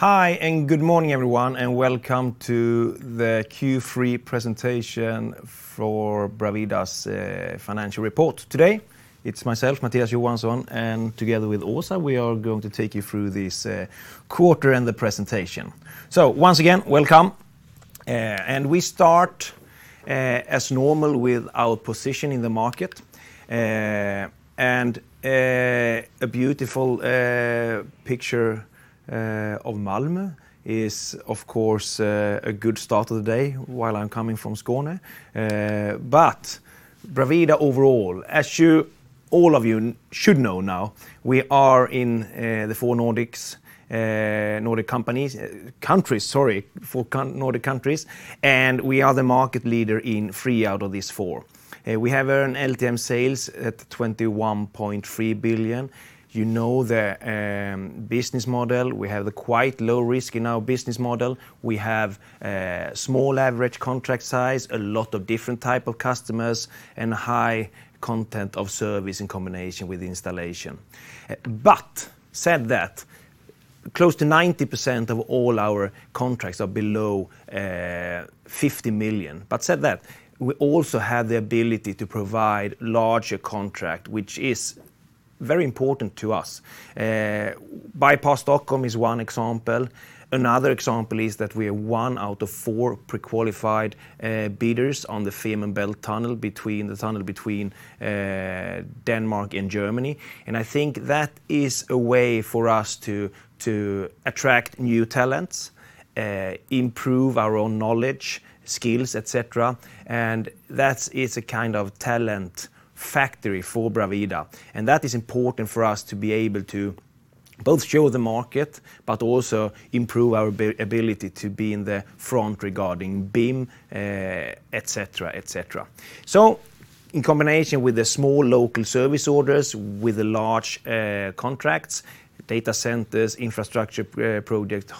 Hi, and good morning, everyone, and welcome to the Q3 Presentation for Bravida's Financial Report. Today it's myself, Mattias Johansson, and together with Åsa, we are going to take you through this quarter and the presentation. Once again, welcome. We start as normal with our position in the market. A beautiful picture of Malmö is of course a good start of the day while I'm coming from Skåne. Bravida overall, as you all should know now, we are in the four Nordics, Nordic countries, and we are the market leader in three out of these four. We have earned LTM sales at 21.3 billion. You know the business model. We have the quite low risk in our business model. We have small average contract size, a lot of different type of customers and high content of service in combination with Installation. That said, close to 90% of all our contracts are below 50 million. That said, we also have the ability to provide larger contract, which is very important to us. Förbifart Stockholm is one example. Another example is that we are one out of four pre-qualified bidders on the Fehmarnbelt Tunnel between Denmark and Germany. I think that is a way for us to attract new talents, improve our own knowledge, skills, et cetera. That is a kind of talent factory for Bravida, and that is important for us to be able to both show the market but also improve our ability to be in the front regarding BIM, et cetera, et cetera. In combination with the small local service orders, with the large contracts, data centers, infrastructure project,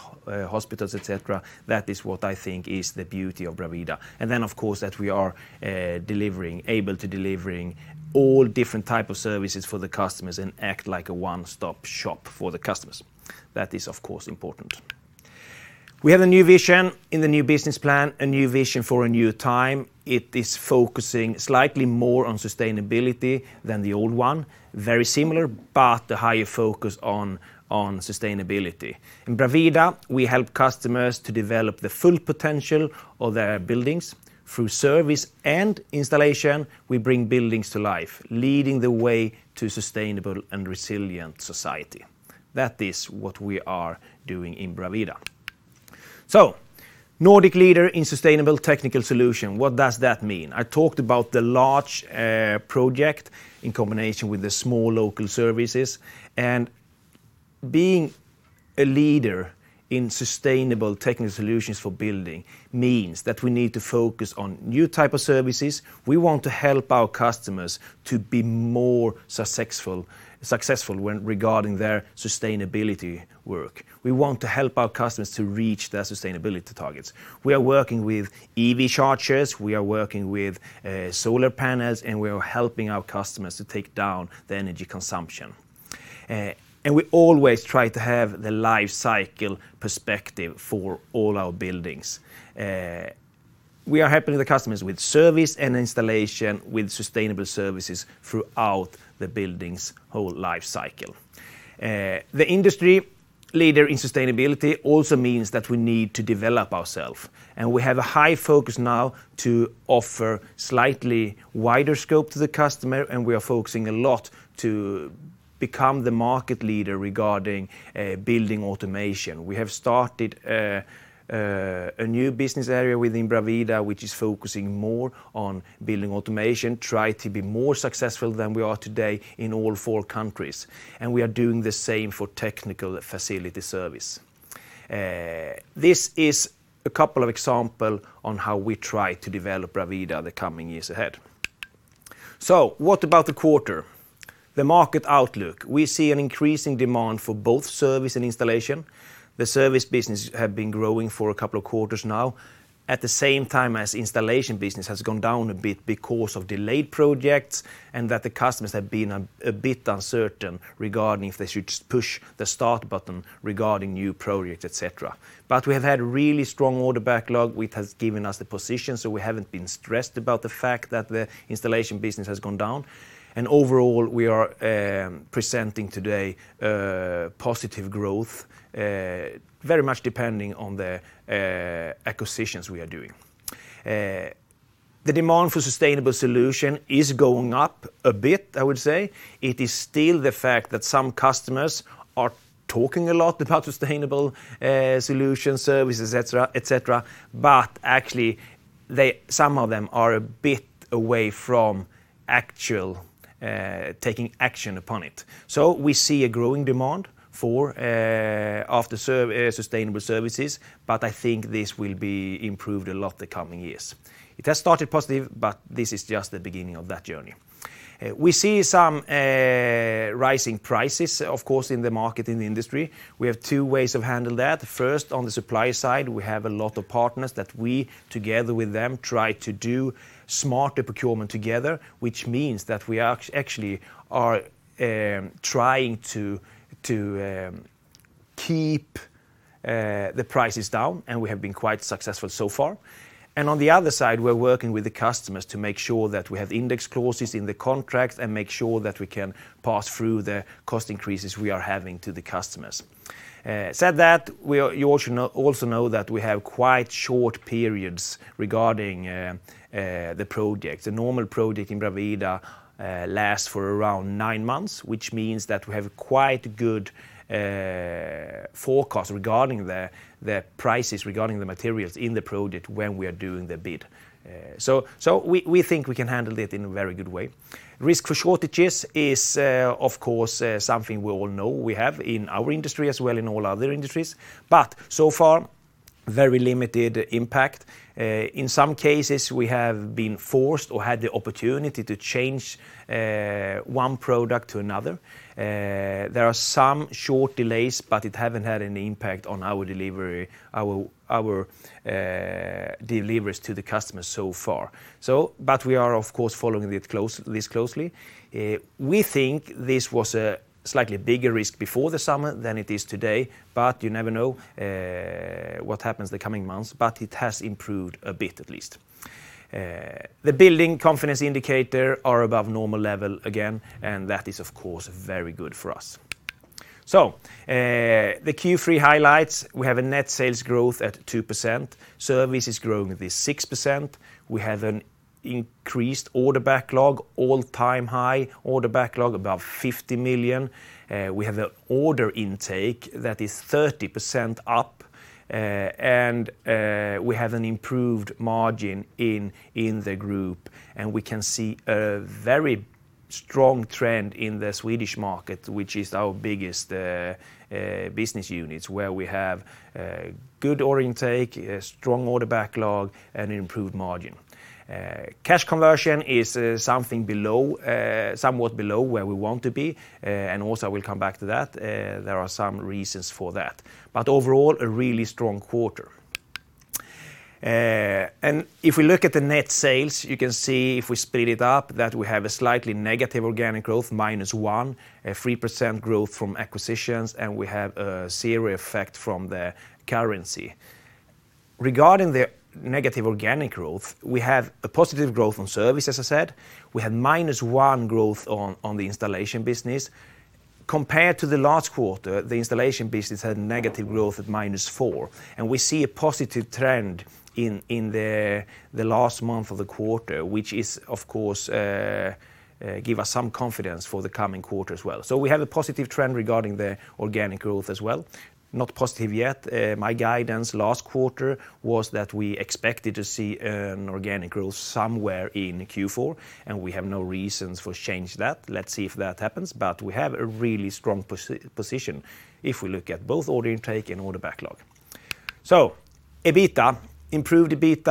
hospitals, et cetera, that is what I think is the beauty of Bravida. Of course, that we are able to delivering all different type of services for the customers and act like a one-stop shop for the customers. That is of course important. We have a new vision in the new business plan, a new vision for a new time. It is focusing slightly more on sustainability than the old one. Very similar, but a higher focus on sustainability. In Bravida, we help customers to develop the full potential of their buildings. Through service and Installation, we bring buildings to life, leading the way to sustainable and resilient society. That is what we are doing in Bravida. Nordic leader in sustainable technical solution, what does that mean? I talked about the large project in combination with the small local services, and being a leader in sustainable technical solutions for building means that we need to focus on new type of services. We want to help our customers to be more successful when regarding their sustainability work. We want to help our customers to reach their sustainability targets. We are working with EV chargers, we are working with solar panels, and we are helping our customers to take down their energy consumption. We always try to have the life cycle perspective for all our buildings. We are helping the customers with service and Installation, with sustainable services throughout the building's whole life cycle. The industry leader in sustainability also means that we need to develop ourselves, and we have a high focus now to offer slightly wider scope to the customer, and we are focusing a lot to become the market leader regarding building automation. We have started a new business area within Bravida, which is focusing more on building automation, try to be more successful than we are today in all four countries, and we are doing the same for technical facility service. This is a couple of examples on how we try to develop Bravida the coming years ahead. What about the quarter? The market outlook, we see an increasing demand for both service and Installation. The Service business have been growing for a couple of quarters now, at the same time as Installation business has gone down a bit because of delayed projects, and that the customers have been a bit uncertain regarding if they should push the start button regarding new projects, et cetera. We have had really strong order backlog, which has given us the position, so we haven't been stressed about the fact that the Installation business has gone down. Overall, we are presenting today positive growth, very much depending on the acquisitions we are doing. The demand for sustainable solution is going up a bit, I would say. It is still the fact that some customers are talking a lot about sustainable solution services, et cetera, et cetera, but actually some of them are a bit away from actual taking action upon it. We see a growing demand for sustainable services, but I think this will be improved a lot the coming years. It has started positive, but this is just the beginning of that journey. We see some rising prices, of course, in the market, in the industry. We have two ways of handling that. First, on the supply side, we have a lot of partners that we, together with them, try to do smarter procurement together, which means that we actually are trying to keep the prices down, and we have been quite successful so far. On the other side, we're working with the customers to make sure that we have index clauses in the contracts and make sure that we can pass through the cost increases we are having to the customers. Having said that, you also know that we have quite short periods regarding the project. The normal project in Bravida lasts for around nine months, which means that we have quite good forecast regarding the prices regarding the materials in the project when we are doing the bid. We think we can handle it in a very good way. Risk for shortages is of course something we all know we have in our industry as well in all other industries. So far, very limited impact. In some cases, we have been forced or had the opportunity to change one product to another. There are some short delays, but it haven't had any impact on our deliveries to the customers so far. We are, of course, following it closely. We think this was a slightly bigger risk before the summer than it is today, but you never know what happens the coming months, but it has improved a bit at least. The building confidence indicator are above normal level again, and that is, of course, very good for us. The Q3 highlights, we have a net sales growth at 2%. Service is growing at 6%. We have an increased order backlog, all-time high order backlog, above 50 million. We have an order intake that is 30% up, and we have an improved margin in the group, and we can see a very strong trend in the Swedish market, which is our biggest business unit, where we have good order intake, a strong order backlog, and improved margin. Cash conversion is something below, somewhat below where we want to be, and also we'll come back to that. There are some reasons for that. Overall, a really strong quarter. If we look at the net sales, you can see if we split it up, that we have a slightly negative organic growth, -1%, a 3% growth from acquisitions, and we have a 0% effect from the currency. Regarding the negative organic growth, we have a positive growth on service, as I said. We have -1% growth on the Installation business. Compared to the last quarter, the Installation business had negative growth at -4%. We see a positive trend in the last month of the quarter, which is, of course, give us some confidence for the coming quarter as well. We have a positive trend regarding the organic growth as well. Not positive yet. My guidance last quarter was that we expected to see an organic growth somewhere in Q4, and we have no reason to change that. Let's see if that happens. We have a really strong position if we look at both order intake and order backlog. EBITDA improved,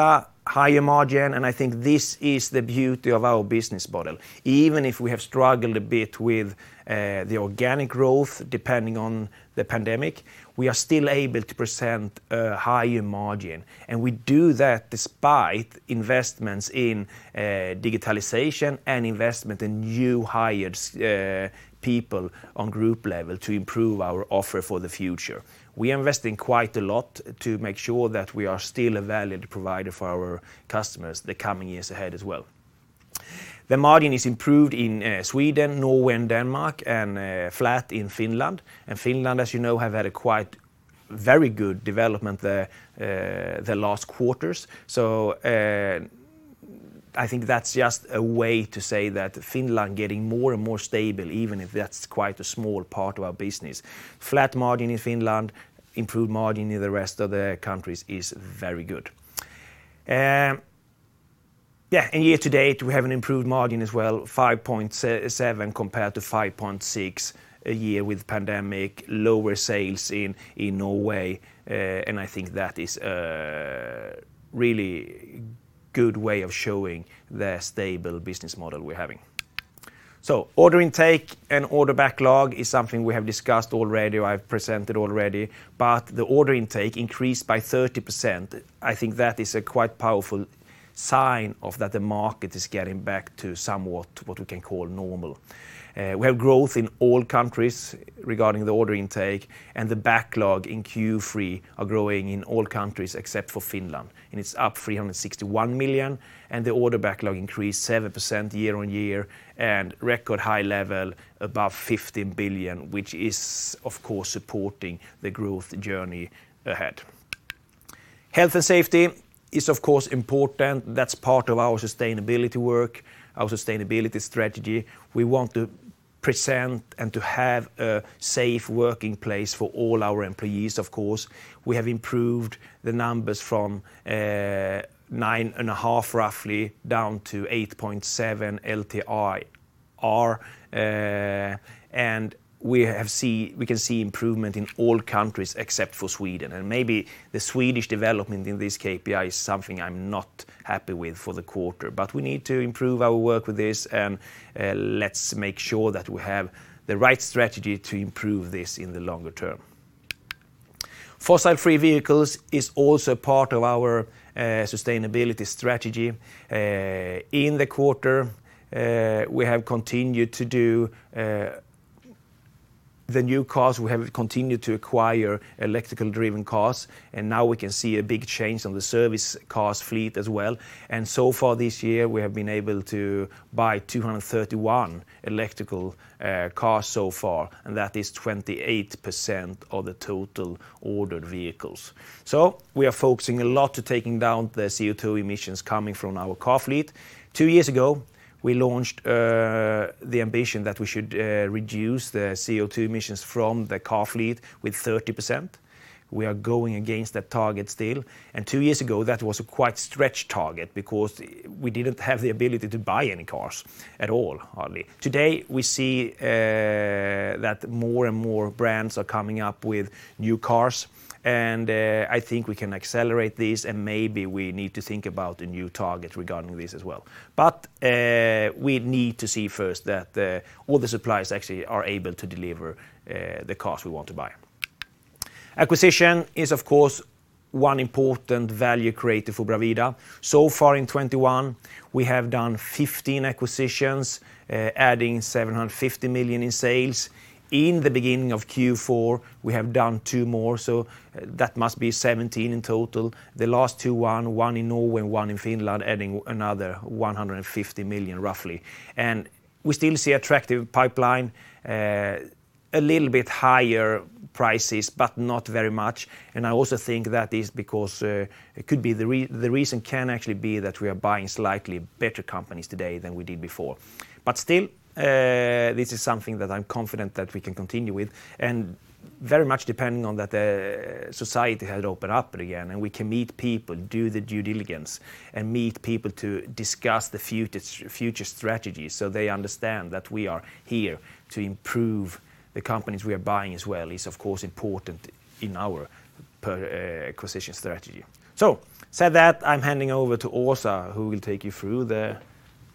higher margin, and I think this is the beauty of our business model. Even if we have struggled a bit with the organic growth, depending on the pandemic, we are still able to present a higher margin. We do that despite investments in digitalization and investment in new hired people on group level to improve our offer for the future. We invest in quite a lot to make sure that we are still a valid provider for our customers the coming years ahead as well. The margin is improved in Sweden, Norway, and Denmark, and flat in Finland. Finland, as you know, have had a quite very good development the last quarters. I think that's just a way to say that Finland getting more and more stable, even if that's quite a small part of our business. Flat margin in Finland, improved margin in the rest of the countries is very good. Yeah, year-to-date, we have an improved margin as well, 5.7% compared to 5.6% a year ago with the pandemic, lower sales in Norway, and I think that is really good way of showing the stable business model we're having. Order intake and order backlog is something we have discussed already. I've presented already, but the order intake increased by 30%. I think that is a quite powerful sign that the market is getting back to somewhat what we can call normal. We have growth in all countries regarding the order intake, and the backlog in Q3 are growing in all countries except for Finland, and it's up 361 million, and the order backlog increased 7% year-over-year, and record high level above 15 billion, which is of course supporting the growth journey ahead. Health and safety is of course important. That's part of our sustainability work, our sustainability strategy. We want to present and to have a safe working place for all our employees, of course. We have improved the numbers from 9.5 roughly down to 8.7 LTIFR, and we can see improvement in all countries except for Sweden. Maybe the Swedish development in this KPI is something I'm not happy with for the quarter. We need to improve our work with this, and let's make sure that we have the right strategy to improve this in the longer term. Fossil-free vehicles is also part of our sustainability strategy. In the quarter, we have continued to do the new cars. We have continued to acquire electrically driven cars, and now we can see a big change on the service cars fleet as well. So far this year, we have been able to buy 231 electrically driven cars so far, and that is 28% of the total ordered vehicles. We are focusing a lot to taking down the CO2 emissions coming from our car fleet. Two years ago, we launched the ambition that we should reduce the CO2 emissions from the car fleet with 30%. We are going against that target still. Two years ago, that was a quite stretched target because we didn't have the ability to buy any cars at all, hardly. Today, we see that more and more brands are coming up with new cars, and I think we can accelerate this, and maybe we need to think about a new target regarding this as well. We need to see first that all the suppliers actually are able to deliver the cars we want to buy. Acquisition is of course one important value creator for Bravida. So far in 2021, we have done 15 acquisitions adding 750 million in sales. In the beginning of Q4, we have done two more, so that must be 17 in total. The last two won, one in Norway and one in Finland, adding another 150 million, roughly. We still see attractive pipeline, a little bit higher prices, but not very much. I also think that is because, it could be the reason can actually be that we are buying slightly better companies today than we did before. Still, this is something that I'm confident that we can continue with, and very much depending on that, society has opened up again, and we can meet people, do the due diligence, and meet people to discuss the future strategies so they understand that we are here to improve the companies we are buying as well is of course important in our acquisition strategy. With that said, I'm handing over to Åsa, who will take you through the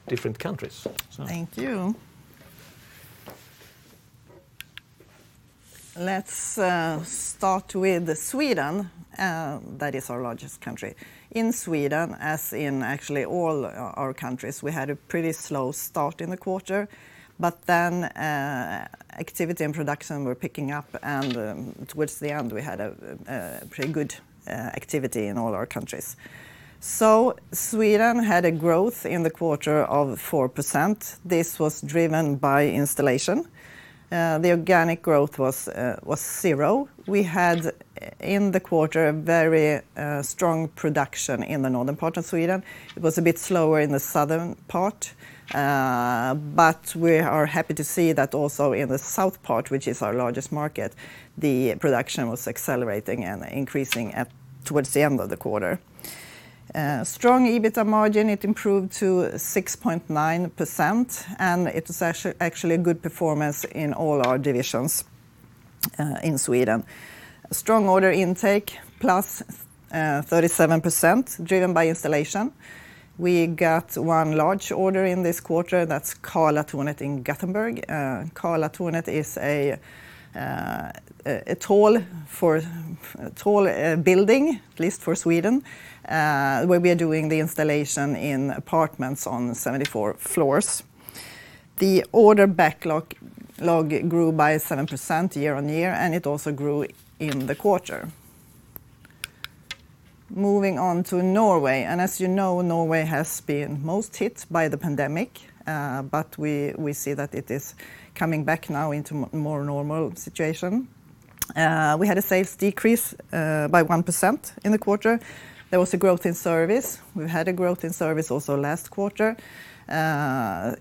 different countries. Thank you. Let's start with Sweden, that is our largest country. In Sweden, as in actually all our countries, we had a pretty slow start in the quarter, but then, activity and production were picking up, and, towards the end, we had a pretty good activity in all our countries. Sweden had a growth in the quarter of 4%. This was driven by Installation. The organic growth was 0%. We had in the quarter a very strong production in the northern part of Sweden. It was a bit slower in the southern part, but we are happy to see that also in the south part, which is our largest market, the production was accelerating and increasing towards the end of the quarter. Strong EBITA margin, it improved to 6.9%, and it was actually a good performance in all our divisions in Sweden. Strong order intake, +37% driven by Installation. We got one large order in this quarter. That's Karlatornet in Gothenburg. Karlatornet is a tall building, at least for Sweden, where we are doing the Installation in apartments on 74 floors. The order backlog grew by 7% year-on-year, and it also grew in the quarter. Moving on to Norway, and as you know, Norway has been most hit by the pandemic, but we see that it is coming back now into more normal situation. We had a sales decrease by 1% in the quarter. There was a growth in service. We had a growth in service also last quarter.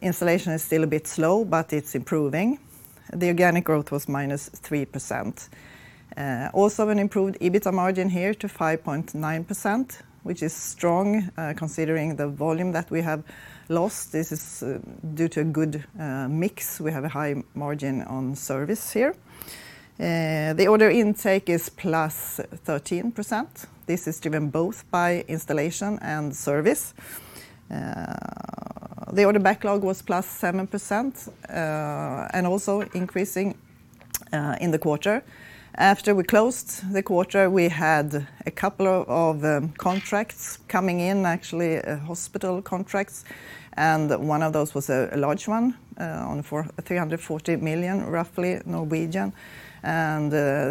Installation is still a bit slow, but it's improving. The organic growth was -3%. Also an improved EBITA margin here to 5.9%, which is strong, considering the volume that we have lost. This is due to a good mix. We have a high margin on service here. The order intake is +13%. This is driven both by Installation and service. The order backlog was +7%, and also increasing in the quarter. After we closed the quarter, we had a couple of contracts coming in, actually, hospital contracts, and one of those was a large one on for 340 million, roughly Norwegian.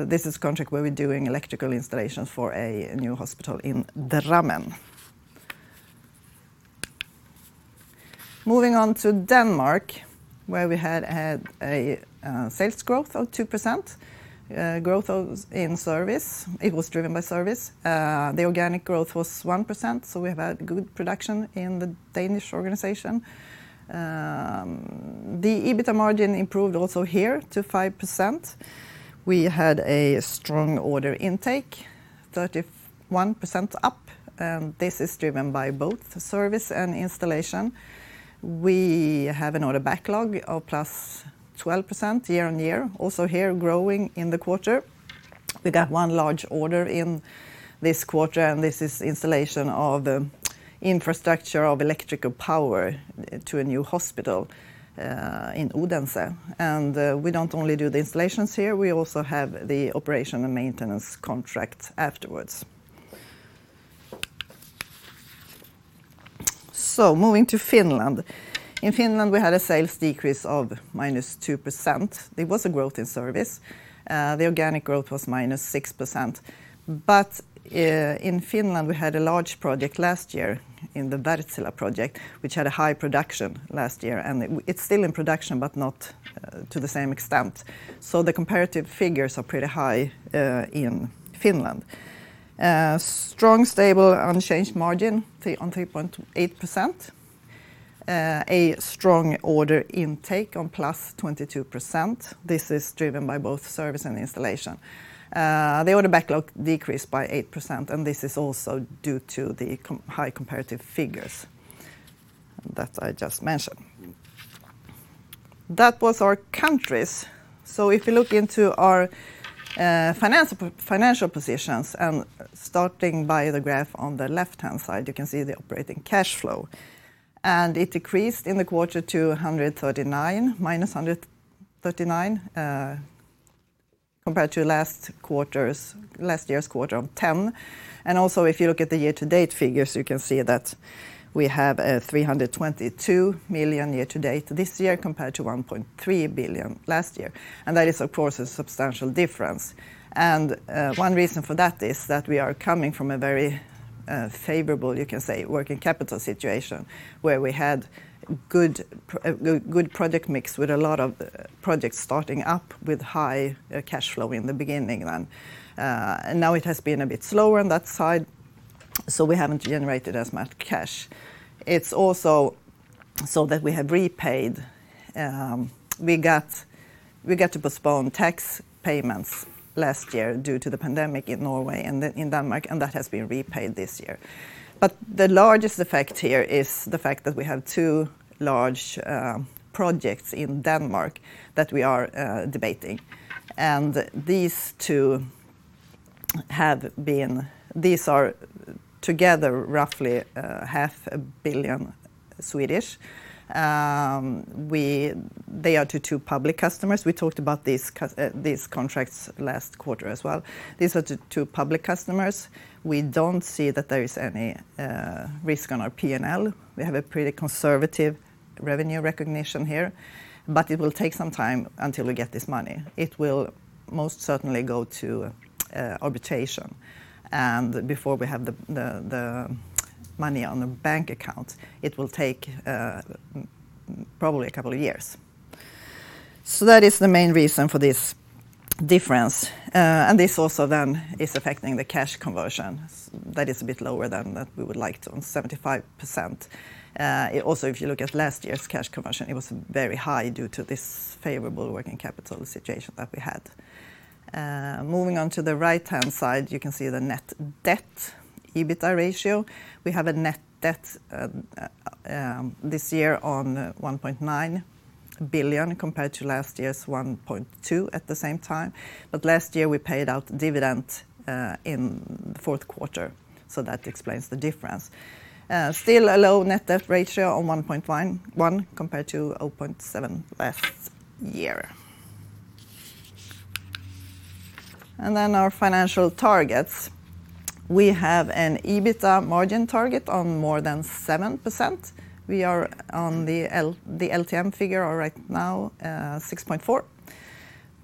This is contract where we're doing electrical Installations for a new hospital in Drammen. Moving on to Denmark, where we had a sales growth of 2%, growth in service. It was driven by service. The organic growth was 1%, so we've had good production in the Danish organization. The EBITA margin improved also here to 5%. We had a strong order intake 31% up, and this is driven by both service and Installation. We have an order backlog of 12% year-on-year, also here growing in the quarter. We got one large order in this quarter, and this is Installation of infrastructure of electrical power to a new hospital in Odense. We don't only do the Installations here, we also have the operation and maintenance contracts afterwards. Moving to Finland. In Finland, we had a sales decrease of -2%. There was a growth in service. The organic growth was -6%. In Finland, we had a large project last year in the Wärtsilä project, which had a high production last year, and it's still in production, but not to the same extent. The comparative figures are pretty high in Finland. Strong, stable, unchanged margin on 3.8%. A strong order intake on +22%. This is driven by both service and Installation. The order backlog decreased by 8%, and this is also due to the high comparative figures that I just mentioned. That was our countries. If you look into our financial positions, and starting by the graph on the left-hand side, you can see the operating cash flow. It decreased in the quarter to 139 million, -139 million compared to last year's quarter of 10. Also, if you look at the year-to-date figures, you can see that we have 322 million year-to-date this year compared to 1.3 billion last year. That is, of course, a substantial difference. One reason for that is that we are coming from a very favorable, you can say, working capital situation where we had good project mix with a lot of projects starting up with high cash flow in the beginning then. Now it has been a bit slower on that side, so we haven't generated as much cash. It's also so that we have repaid. We got to postpone tax payments last year due to the pandemic in Norway and then in Denmark, and that has been repaid this year. The largest effect here is the fact that we have two large projects in Denmark that we are debating. These are together roughly half a billion SEK. They are to two public customers. We talked about these contracts last quarter as well. These are to two public customers. We don't see that there is any risk on our P&L. We have a pretty conservative revenue recognition here, but it will take some time until we get this money. It will most certainly go to arbitration. Before we have the money on the bank account, it will take probably a couple of years. That is the main reason for this difference. This also is affecting the cash conversion. That is a bit lower than we would like to, on 75%. It also, if you look at last year's cash conversion, it was very high due to this favorable working capital situation that we had. Moving on to the right-hand side, you can see the net debt/EBITDA ratio. We have a net debt this year on 1.9 billion compared to last year's 1.2 billion at the same time. Last year, we paid out dividend in the fourth quarter, so that explains the difference. Still a low net debt/EBITDA ratio on 1.1x compared to 0.7x last year. Our financial targets. We have an EBITDA margin target on more than 7%. We are on the LTM figure right now, 6.4.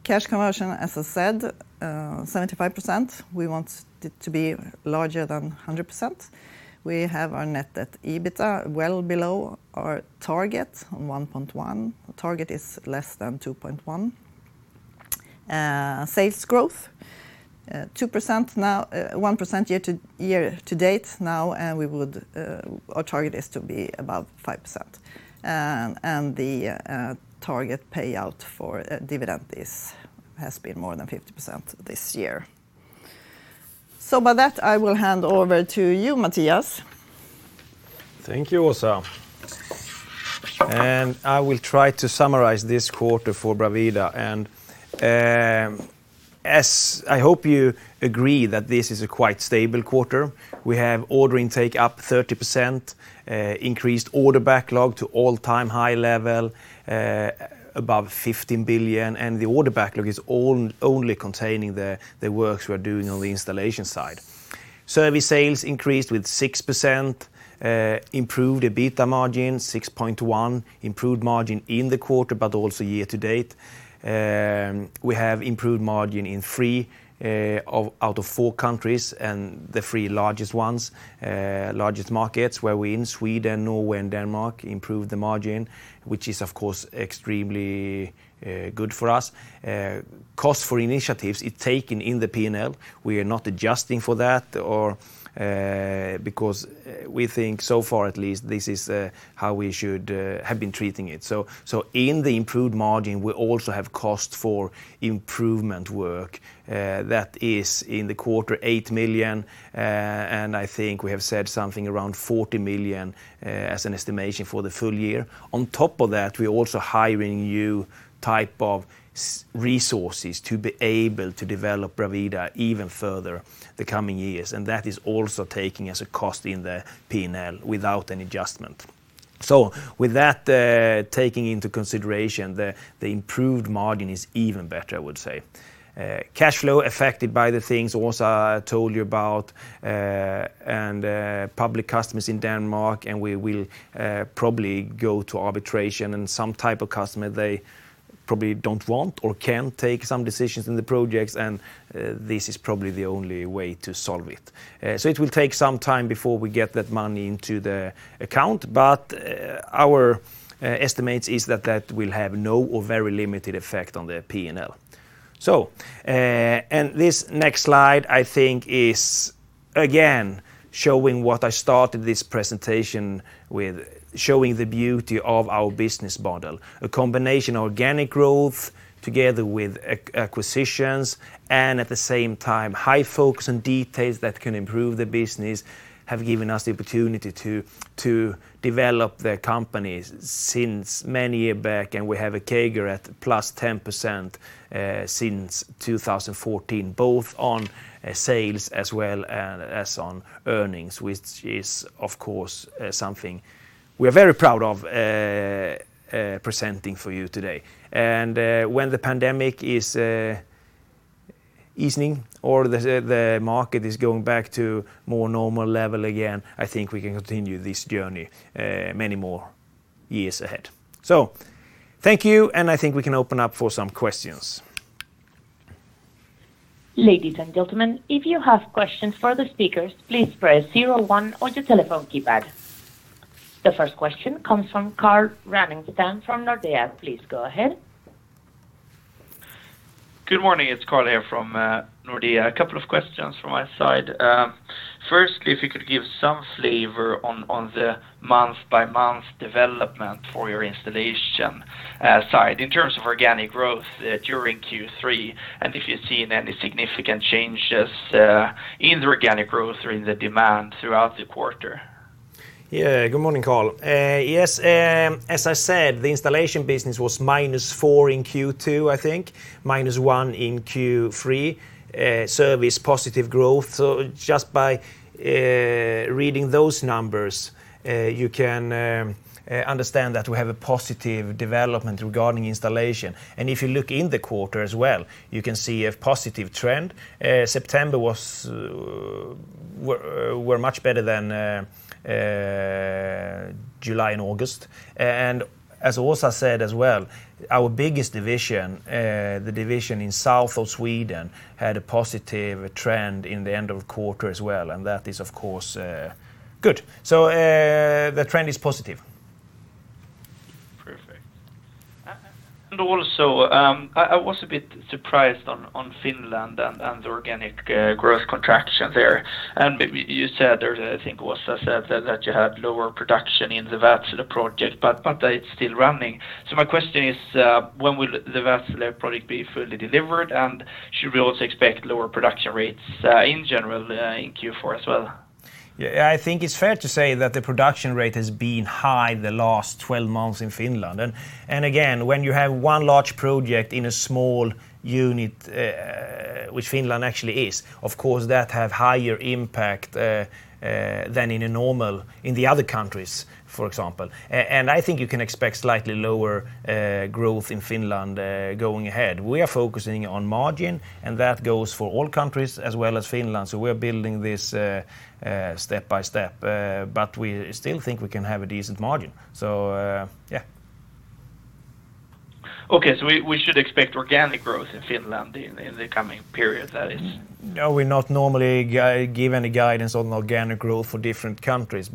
Cash conversion, as I said, 75%. We want it to be larger than 100%. We have our net debt/EBITDA well below our target on 1.1. Target is less than 2.1. Sales growth, 2% now, 1% year-over-year-to-date now. Our target is to be above 5%. The target payout for dividend is, has been more than 50% this year. With that, I will hand over to you, Mattias. Thank you, Åsa. I will try to summarize this quarter for Bravida. As I hope you agree that this is a quite stable quarter, we have order intake up 30%, increased order backlog to all-time high level, above 15 billion, and the order backlog is only containing the works we are doing on the Installation side. Service sales increased with 6%, improved EBITDA margin 6.1%, improved margin in the quarter but also year-to-date. We have improved margin in three out of four countries and the three largest ones, largest markets where we're in Sweden, Norway, and Denmark improved the margin, which is of course extremely good for us. Cost for initiatives, it's taken in the P&L. We are not adjusting for that because we think so far at least this is how we should have been treating it. In the improved margin, we also have cost for improvement work that is in the quarter 8 million, and I think we have said something around 40 million as an estimation for the full year. On top of that, we're also hiring new type of resources to be able to develop Bravida even further the coming years, and that is also taking as a cost in the P&L without any adjustment. With that taking into consideration, the improved margin is even better, I would say. Cash flow affected by the things Åsa told you about, and public customers in Denmark, and we will probably go to arbitration and some type of customer they probably don't want or can't take some decisions in the projects, and this is probably the only way to solve it. It will take some time before we get that money into the account. Our estimates is that that will have no or very limited effect on the P&L. This next slide I think is again showing what I started this presentation with, showing the beauty of our business model. A combination organic growth together with acquisitions, and at the same time, high focus on details that can improve the business have given us the opportunity to develop the company since many year back, and we have a CAGR of +10%, since 2014, both on sales as well as on earnings, which is, of course, something we're very proud of presenting for you today. When the pandemic is easing or the market is going back to more normal level again, I think we can continue this journey many more years ahead. Thank you, and I think we can open up for some questions. The first question comes from Carl Ragnerstam from Nordea. Please go ahead. Good morning. It's Carl here from Nordea. A couple of questions from my side. Firstly, if you could give some flavor on the month-by-month development for your Installation side in terms of organic growth during Q3, and if you've seen any significant changes in the organic growth or in the demand throughout the quarter? Yeah. Good morning, Carl. Yes, as I said, the Installation business was -4% in Q2, I think, -1% in Q3. Service, positive growth. Just by reading those numbers, you can understand that we have a positive development regarding Installation. If you look in the quarter as well, you can see a positive trend. September, we were much better than July and August. As Åsa said as well, our biggest division, the division in south of Sweden, had a positive trend in the end of quarter as well, and that is, of course, good. The trend is positive. Perfect. Also, I was a bit surprised on Finland and organic growth contraction there. Maybe you said or I think Åsa said that you had lower production in the Wärtsilä project, but it's still running. My question is, when will the Wärtsilä project be fully delivered, and should we also expect lower production rates in general in Q4 as well? Yeah. I think it's fair to say that the production rate has been high the last 12 months in Finland. Again, when you have one large project in a small unit, which Finland actually is, of course, that have higher impact than in a normal, in the other countries, for example. I think you can expect slightly lower growth in Finland going ahead. We are focusing on margin, and that goes for all countries as well as Finland, so we're building this step by step. We still think we can have a decent margin. Yeah. Okay, we should expect organic growth in Finland in the coming period, that is? No, we do not normally give any guidance on organic growth for different countries.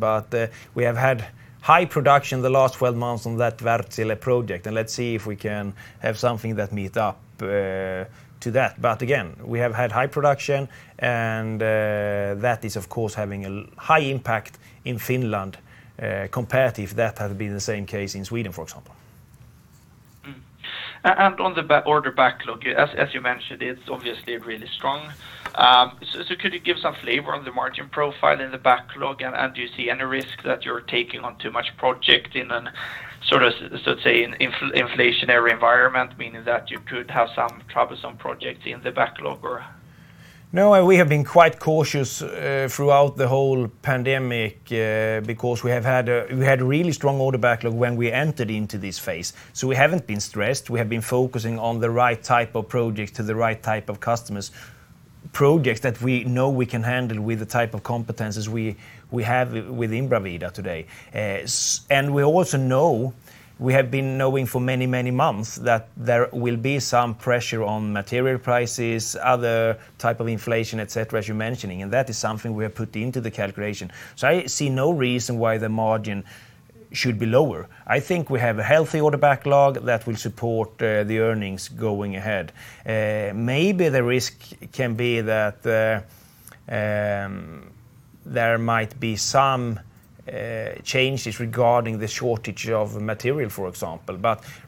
We have had high production the last 12 months on that Wärtsilä project, and let's see if we can have something that meet up to that. Again, we have had high production and that is, of course, having a high impact in Finland, compared to if that had been the same case in Sweden, for example. On the order backlog, as you mentioned, it's obviously really strong. Could you give some flavor on the margin profile in the backlog, and do you see any risk that you're taking on too many projects in a sort of, say, inflationary environment, meaning that you could have some troublesome projects in the backlog? No. We have been quite cautious throughout the whole pandemic because we had really strong order backlog when we entered into this phase. We haven't been stressed. We have been focusing on the right type of projects to the right type of customers, projects that we know we can handle with the type of competencies we have within Bravida today. And we also know, we have been knowing for many, many months that there will be some pressure on material prices, other type of inflation, et cetera, as you're mentioning, and that is something we have put into the calculation. I see no reason why the margin should be lower. I think we have a healthy order backlog that will support the earnings going ahead. Maybe the risk can be that there might be some changes regarding the shortage of material, for example.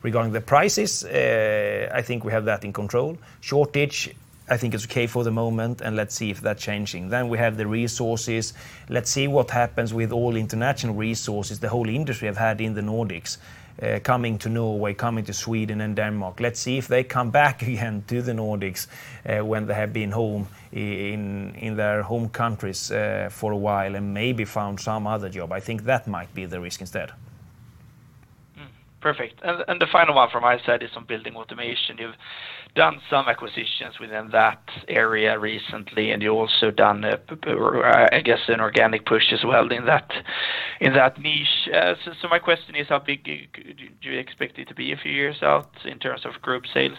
Regarding the prices, I think we have that in control. Shortage, I think is okay for the moment, and let's see if that changing. We have the resources. Let's see what happens with all international resources the whole industry have had in the Nordics, coming to Norway, coming to Sweden and Denmark. Let's see if they come back again to the Nordics, when they have been home in their home countries, for a while and maybe found some other job. I think that might be the risk instead. Perfect. The final one from my side is on building automation. You've done some acquisitions within that area recently, and you also done a, I guess an organic push as well in that niche. So my question is how big do you expect it to be a few years out in terms of group sales?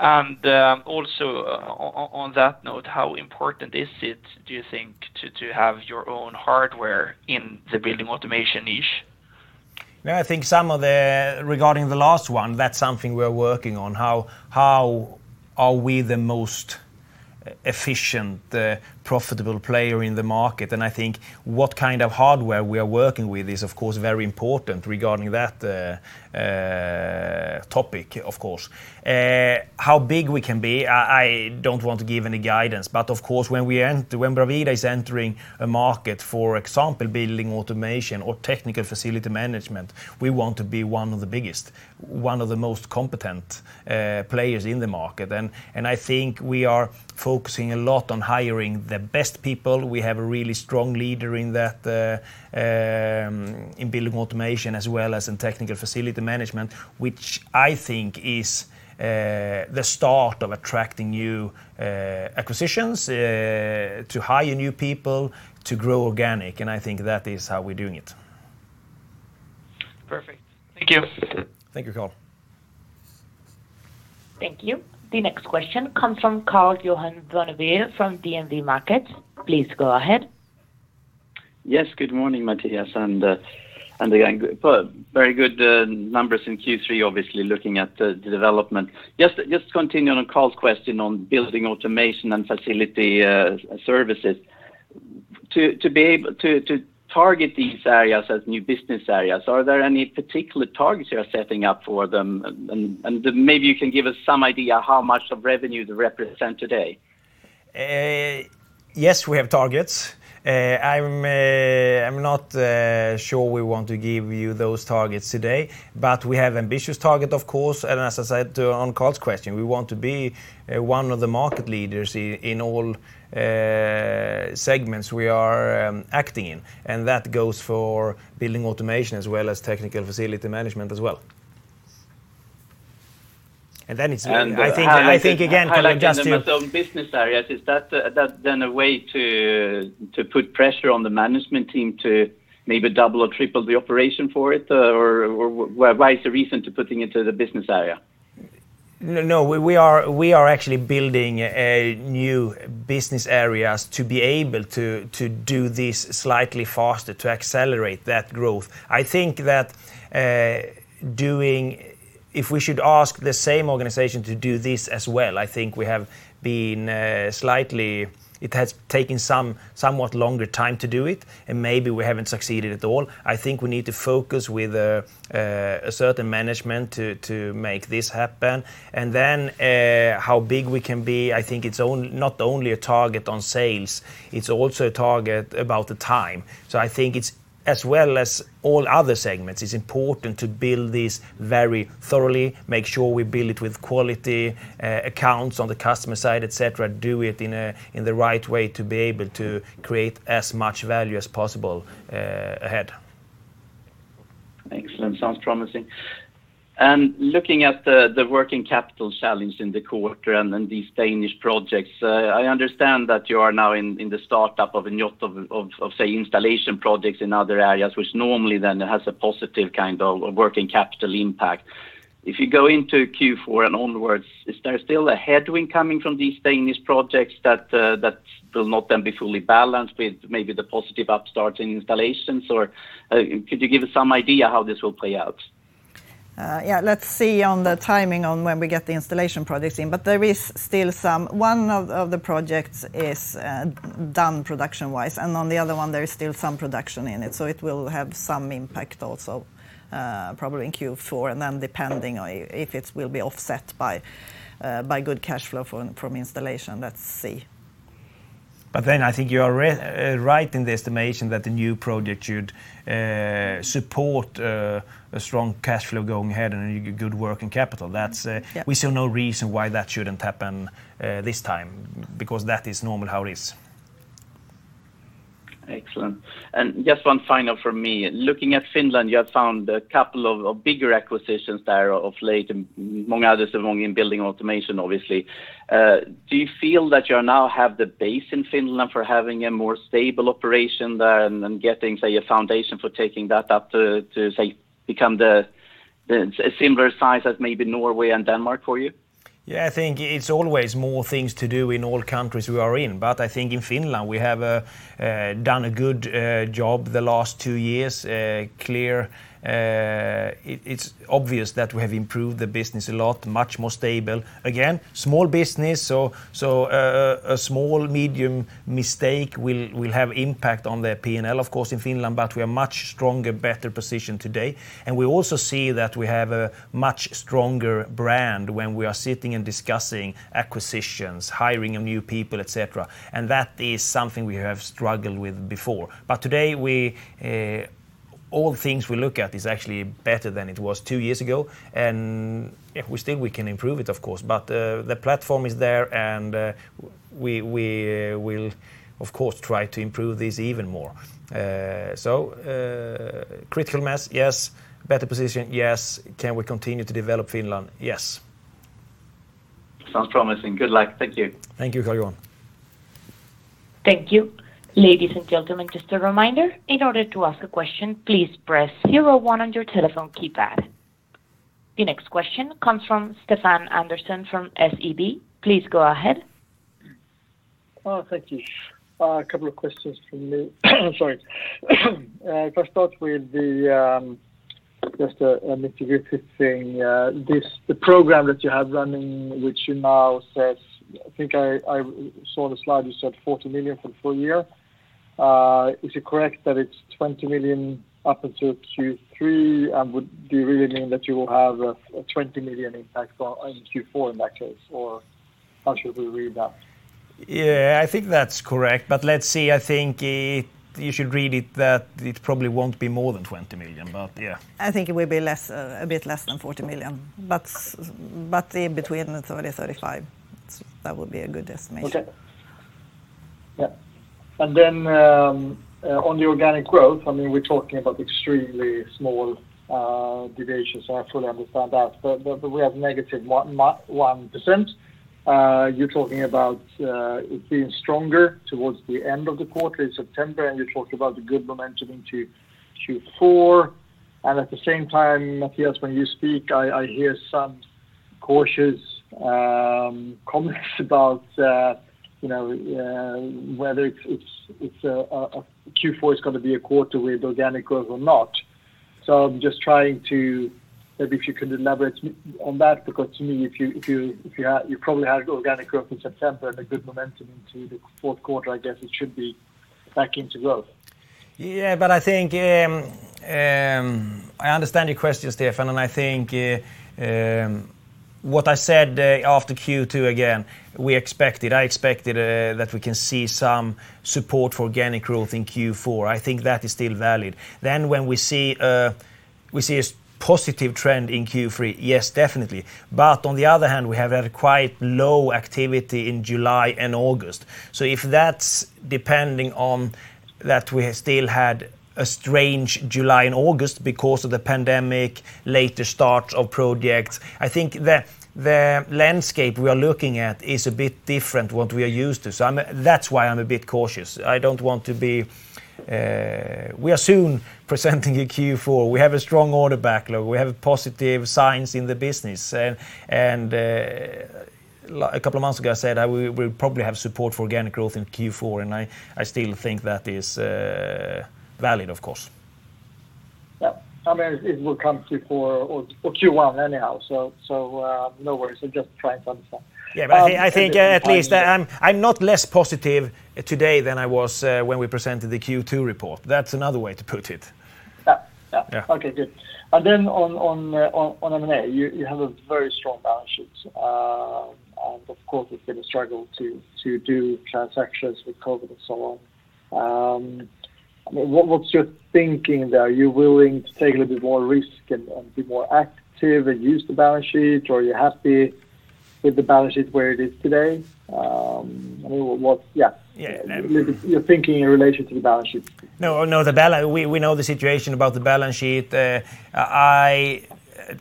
Also, on that note, how important is it, do you think, to have your own hardware in the building automation niche? Yeah, I think regarding the last one, that's something we are working on. How are we the most efficient, profitable player in the market? I think what kind of hardware we are working with is of course very important regarding that topic, of course. How big we can be, I don't want to give any guidance. Of course, when Bravida is entering a market, for example, building automation or technical facility management, we want to be one of the biggest, one of the most competent players in the market. I think we are focusing a lot on hiring the best people. We have a really strong leader in that, in building automation as well as in technical facility management, which I think is the start of attracting new acquisitions to hire new people to grow organic, and I think that is how we're doing it. Perfect. Thank you. Thank you, Carl. Thank you. The next question comes from Karl-Johan Bonnevier from DNB Markets. Please go ahead. Yes. Good morning, Mattias, and again, good for very good numbers in Q3, obviously looking at the development. Just to continue on Carl's question on building automation and facility services. To target these areas as new business areas, are there any particular targets you are setting up for them? Maybe you can give us some idea how much of revenue they represent today. Yes, we have targets. I'm not sure we want to give you those targets today. We have ambitious target, of course, and as I said on Carl's question, we want to be one of the market leaders in all segments we are acting in. That goes for building automation as well as technical facility management as well. I think again kind of just to. Highlighting them as own business areas, is that then a way to put pressure on the management team to maybe double or triple the operation for it? Or why is the reason to putting it to the business area? No, no. We are actually building a new business areas to be able to do this slightly faster, to accelerate that growth. I think that if we should ask the same organization to do this as well, I think we have been slightly. It has taken somewhat longer time to do it, and maybe we haven't succeeded at all. I think we need to focus with a certain management to make this happen. How big we can be, I think it's not only a target on sales, it's also a target about the time. I think it's, as well as all other segments, it's important to build this very thoroughly, make sure we build it with quality, accounts on the customer side, et cetera, do it in a, in the right way to be able to create as much value as possible, ahead. Excellent. Sounds promising. Looking at the working capital challenge in the quarter and these Danish projects, I understand that you are now in the startup of a lot of, say, Installation projects in other areas, which normally then has a positive kind of a working capital impact. If you go into Q4 and onwards, is there still a headwind coming from these Danish projects that will not then be fully balanced with maybe the positive startup in Installations? Or, could you give us some idea how this will play out? Let's see on the timing on when we get the Installation projects in. But there is still one of the projects is done production-wise, and on the other one, there is still some production in it. It will have some impact also, probably in Q4. Depending on if it will be offset by good cash flow from Installation. Let's see. I think you are right in the estimation that the new project should support a strong cash flow going ahead and good working capital. That's we see no reason why that shouldn't happen, this time, because that is normally how it is. Excellent. Just one final from me. Looking at Finland, you have found a couple of bigger acquisitions there of late, among others, in building automation, obviously. Do you feel that you now have the base in Finland for having a more stable operation there and getting, say, a foundation for taking that up to, say, become the similar size as maybe Norway and Denmark for you? I think it's always more things to do in all countries we are in. I think in Finland, we have done a good job the last two years. It's obvious that we have improved the business a lot, much more stable. Again, small business, so a small medium mistake will have impact on their P&L, of course, in Finland, but we are much stronger, better positioned today. We also see that we have a much stronger brand when we are sitting and discussing acquisitions, hiring of new people, et cetera. That is something we have struggled with before. Today, we all things we look at is actually better than it was two years ago. Yeah, we still can improve it, of course, but the platform is there and we will of course try to improve this even more. Critical mass, yes. Better position, yes. Can we continue to develop Finland? Yes. Sounds promising. Good luck. Thank you. Thank you Karl-Johan. Thank you. Ladies and gentlemen, just a reminder. In order to ask a question, please press zero one on your telephone keypad. The next question comes from Stefan Andersson from SEB. Please go ahead. Oh, thank you. A couple of questions from me. Sorry. If I start with just program that you have running, which you now says, I think I saw the slide, you said 40 million for the full year. Is it correct that it's 20 million up into Q3? And would do you really mean that you will have a 20 million impact in Q4 in or how should we read that? Yeah, I think its correct but let see. I think you should ready, probably more than 20 million. But yes I think it will be a bit less than 40 million, but in between the 30 million-35 million, that would be a good estimation. Okay. Yeah. Then on the organic growth, I mean, we're talking about extremely small deviations, so I fully understand that. We have -1%. You're talking about it being stronger towards the end of the quarter in September, and you're talking about the good momentum into Q4. At the same time, Mattias, when you speak, I hear some cautious comments about, you know, whether Q4 is gonna be a quarter with organic growth or not. I'm just trying to maybe if you could elaborate on that, because to me, if you had organic growth in September and a good momentum into the fourth quarter, I guess it should be back into growth. I think I understand your question, Stefan, and I think what I said after Q2 again, we expected, I expected, that we can see some support for organic growth in Q4. I think that is still valid. We see a positive trend in Q3, yes, definitely. On the other hand, we have had a quite low activity in July and August. If that's depending on that we still had a strange July and August because of the pandemic, later start of projects, I think the landscape we are looking at is a bit different what we are used to. That's why I'm a bit cautious. I don't want to be. We are soon presenting a Q4. We have a strong order backlog. We have positive signs in the business. A couple of months ago, I said we probably have support for organic growth in Q4, and I still think that is valid, of course. Yeah. I mean, it will come Q4 or Q1 anyhow, so no worries. I'm just trying to understand. Yeah. I think at least I'm not less positive today than I was when we presented the Q2 report. That's another way to put it. Yeah. Yeah. Yeah. Okay. Good. On M&A, you have a very strong balance sheet. Of course, it's been a struggle to do transactions with COVID and so on. What's your thinking there? Are you willing to take a little bit more risk and be more active and use the balance sheet? Or are you happy with the balance sheet where it is today? I mean, yeah. Your thinking in relation to the balance sheet? We know the situation about the balance sheet. I,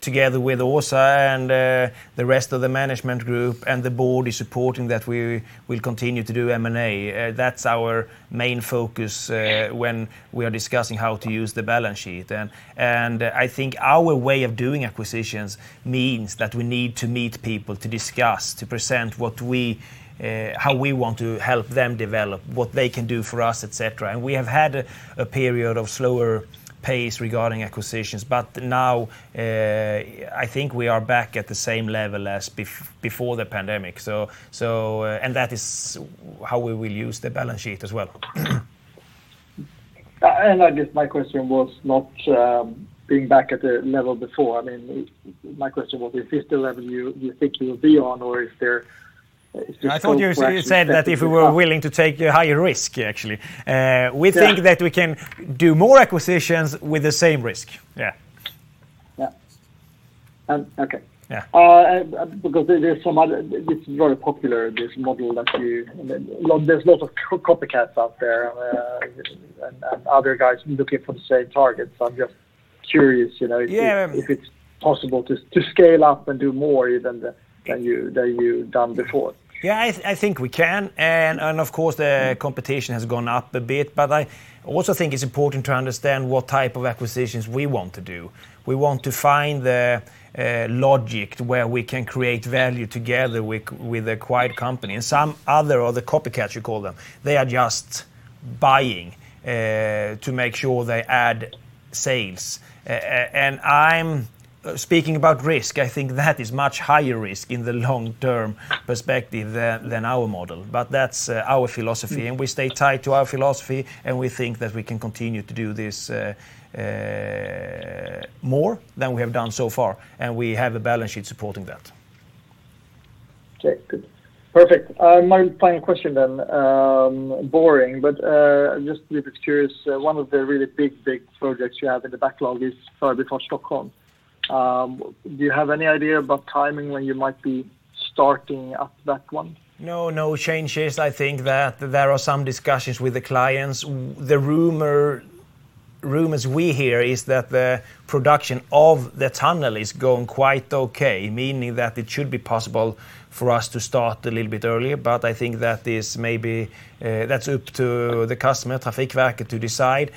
together with Åsa and the rest of the management group and the board, is supporting that we will continue to do M&A. That's our main focus when we are discussing how to use the balance sheet. I think our way of doing acquisitions means that we need to meet people to discuss, to present what we, how we want to help them develop, what they can do for us, et cetera. We have had a period of slower pace regarding acquisitions, but now I think we are back at the same level as before the pandemic. That is how we will use the balance sheet as well. I guess my question was not being back at the level before. I mean, my question was, is this the level you think you'll be on, or is this full pressure? I thought you said that if we were willing to take a higher risk, actually. We think that we can do more acquisitions with the same risk. Yeah. Yeah. Okay. Because there's some other. This is very popular, this model that you. There's a lot of copycats out there, and other guys looking for the same targets. I'm just curious, if it's possible to scale up and do more even than you've done before. Yeah. I think we can. Of course, the competition has gone up a bit, but I also think it's important to understand what type of acquisitions we want to do. We want to find the logic to where we can create value together with the acquired company. Some other, or the copycats you call them, they are just buying to make sure they add sales. I'm speaking about risk. I think that is much higher risk in the long-term perspective than our model. That's our philosophy, and we stay tied to our philosophy, and we think that we can continue to do this more than we have done so far, and we have a balance sheet supporting that. Okay. Good. Perfect. My final question, boring, but just a little bit curious. One of the really big projects you have in the backlog is for Förbifart Stockholm. Do you have any idea about timing when you might be starting up that one? No changes. I think that there are some discussions with the clients. The rumors we hear is that the production of the tunnel is going quite okay, meaning that it should be possible for us to start a little bit earlier. I think that is maybe that's up to the customer, Trafikverket, to decide.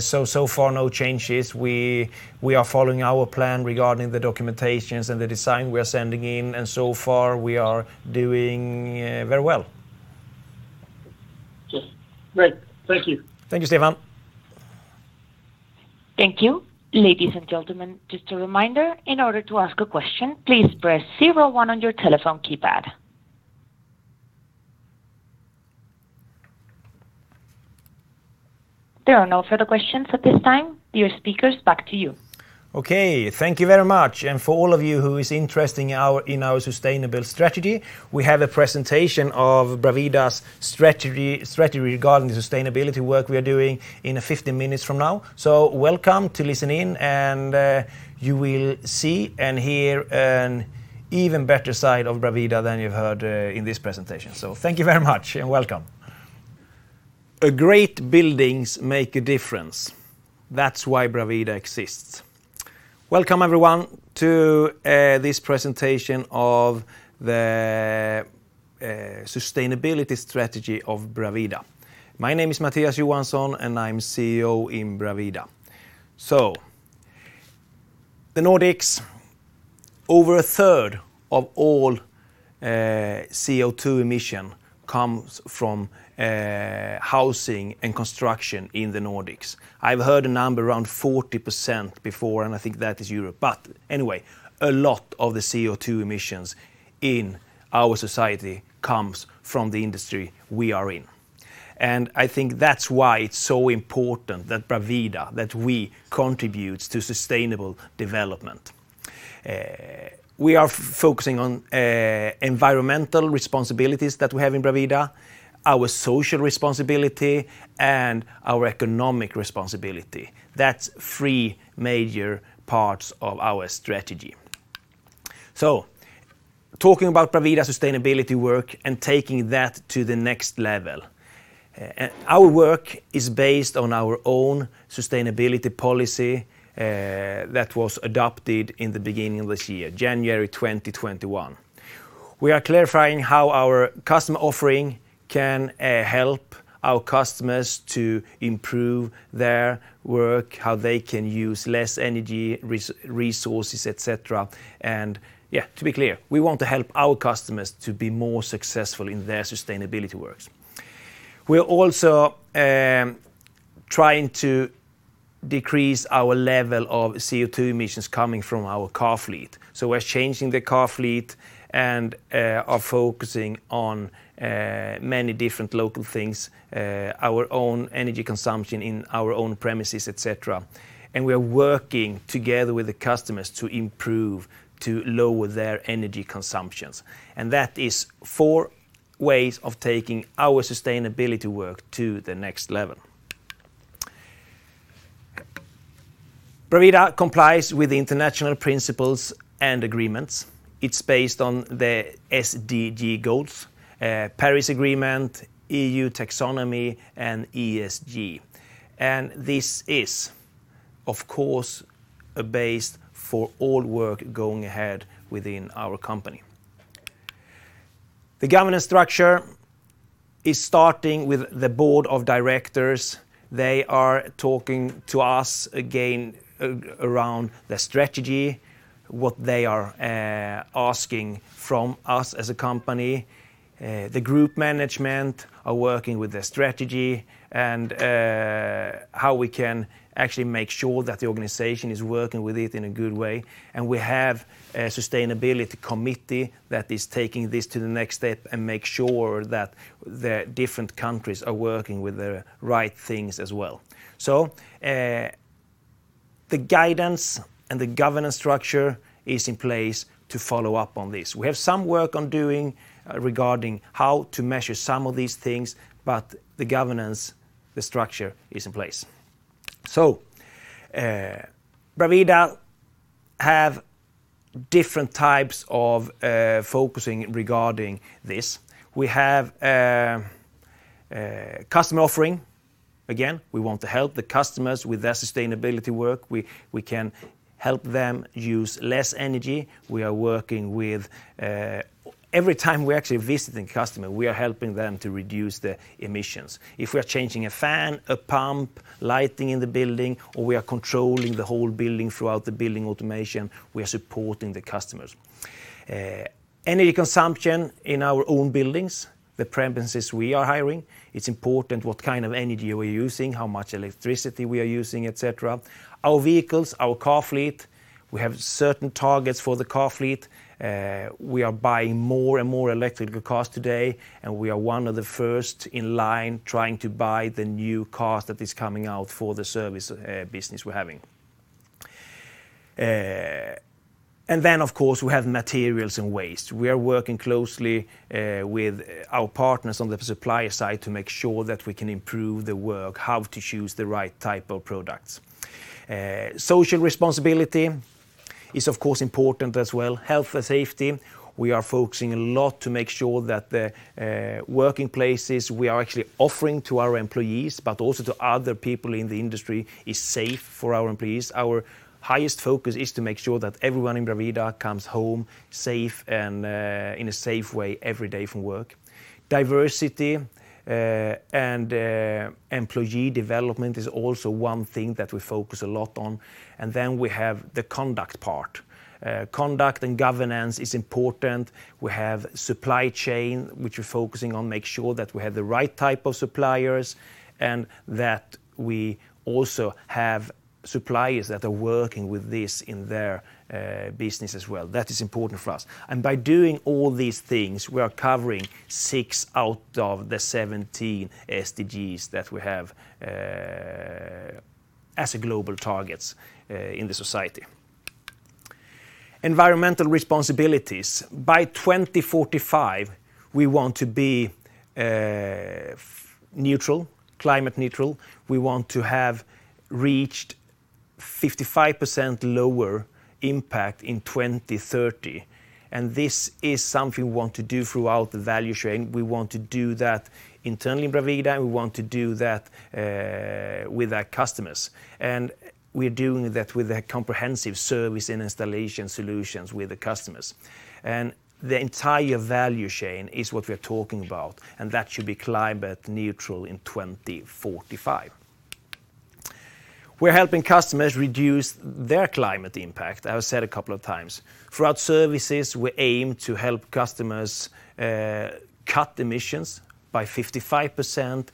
So far, no changes. We are following our plan regarding the documentation and the design we are sending in, and so far we are doing very well. Okay. Great. Thank you. Thank you, Stefan. Thank you. Ladies and gentlemen, just a reminder, in order to ask a question, please press zero-one on your telephone keypad. There are no further questions at this time. Dear speakers, back to you. Okay, thank you very much. For all of you who are interested in our sustainable strategy, we have a presentation of Bravida's strategy regarding the sustainability work we are doing in 50 minutes from now. Welcome to listen in, and you will see and hear an even better side of Bravida than you've heard in this presentation. Thank you very much and welcome. Great buildings make a difference. That's why Bravida exists. Welcome, everyone, to this presentation of the sustainability strategy of Bravida. My name is Mattias Johansson, and I'm CEO in Bravida. The Nordics, over a third of all CO2 emissions comes from housing and construction in the Nordics. I've heard a number around 40% before, and I think that is Europe. Anyway, a lot of the CO2 emissions in our society comes from the industry we are in. I think that's why it's so important that Bravida, that we contribute to sustainable development. We are focusing on environmental responsibilities that we have in Bravida, our social responsibility, and our economic responsibility. That's three major parts of our strategy. Talking about Bravida sustainability work and taking that to the next level. Our work is based on our own sustainability policy that was adopted in the beginning of this year, January 2021. We are clarifying how our customer offering can help our customers to improve their work, how they can use less energy resources, et cetera. Yeah, to be clear, we want to help our customers to be more successful in their sustainability works. We are also trying to decrease our level of CO2 emissions coming from our car fleet. We're changing the car fleet and are focusing on many different local things, our own energy consumption in our own premises, et cetera. We are working together with the customers to improve, to lower their energy consumptions. That is four ways of taking our sustainability work to the next level. Bravida complies with the international principles and agreements. It's based on the SDG goals, Paris Agreement, EU Taxonomy, and ESG. This is, of course, a base for all work going ahead within our company. The governance structure is starting with the board of directors. They are talking to us again around the strategy, what they are asking from us as a company. The group management are working with the strategy and how we can actually make sure that the organization is working with it in a good way. We have a sustainability committee that is taking this to the next step and make sure that the different countries are working with the right things as well. The guidance and the governance structure is in place to follow up on this. We have some work on doing regarding how to measure some of these things, but the governance, the structure is in place. Bravida have different types of focusing regarding this. We have customer offering. Again, we want to help the customers with their sustainability work. We can help them use less energy. We are working with every time we're actually visiting customer, we are helping them to reduce the emissions. If we are changing a fan, a pump, lighting in the building, or we are controlling the whole building throughout the building automation, we are supporting the customers. Energy consumption in our own buildings, the premises we are hiring, it's important what kind of energy we're using, how much electricity we are using, et cetera. Our vehicles, our car fleet, we have certain targets for the car fleet. We are buying more and more electric cars today, and we are one of the first in line trying to buy the new cars that is coming out for the service business we're having. We have materials and waste. We are working closely with our partners on the supplier side to make sure that we can improve the work, how to choose the right type of products. Social responsibility is of course important as well. Health and safety, we are focusing a lot to make sure that the working places we are actually offering to our employees, but also to other people in the industry, is safe for our employees. Our highest focus is to make sure that everyone in Bravida comes home safe and in a safe way every day from work. Diversity and employee development is also one thing that we focus a lot on, and then we have the conduct part. Conduct and governance is important. We have supply chain, which we're focusing on, make sure that we have the right type of suppliers and that we also have suppliers that are working with this in their business as well. That is important for us. By doing all these things, we are covering six out of the 17 SDGs that we have as global targets in the society. Environmental responsibilities. By 2045, we want to be climate neutral. We want to have reached 55% lower impact in 2030, and this is something we want to do throughout the value chain. We want to do that internally in Bravida, and we want to do that with our customers. We're doing that with comprehensive service and Installation solutions with the customers. The entire value chain is what we're talking about, and that should be climate neutral in 2045. We're helping customers reduce their climate impact, I've said a couple of times. Through our services, we aim to help customers cut emissions by 55%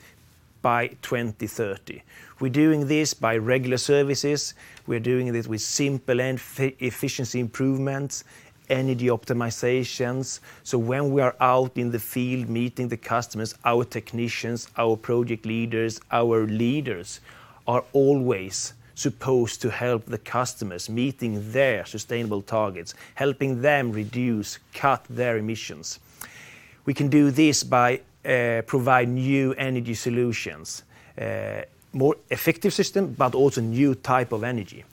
by 2030. We're doing this by regular services. We're doing this with simple and efficiency improvements, energy optimizations. When we are out in the field meeting the customers, our technicians, our project leaders, our leaders are always supposed to help the customers meeting their sustainable targets, helping them reduce, cut their emissions. We can do this by provide new energy solutions, more effective system, but also new type of energy.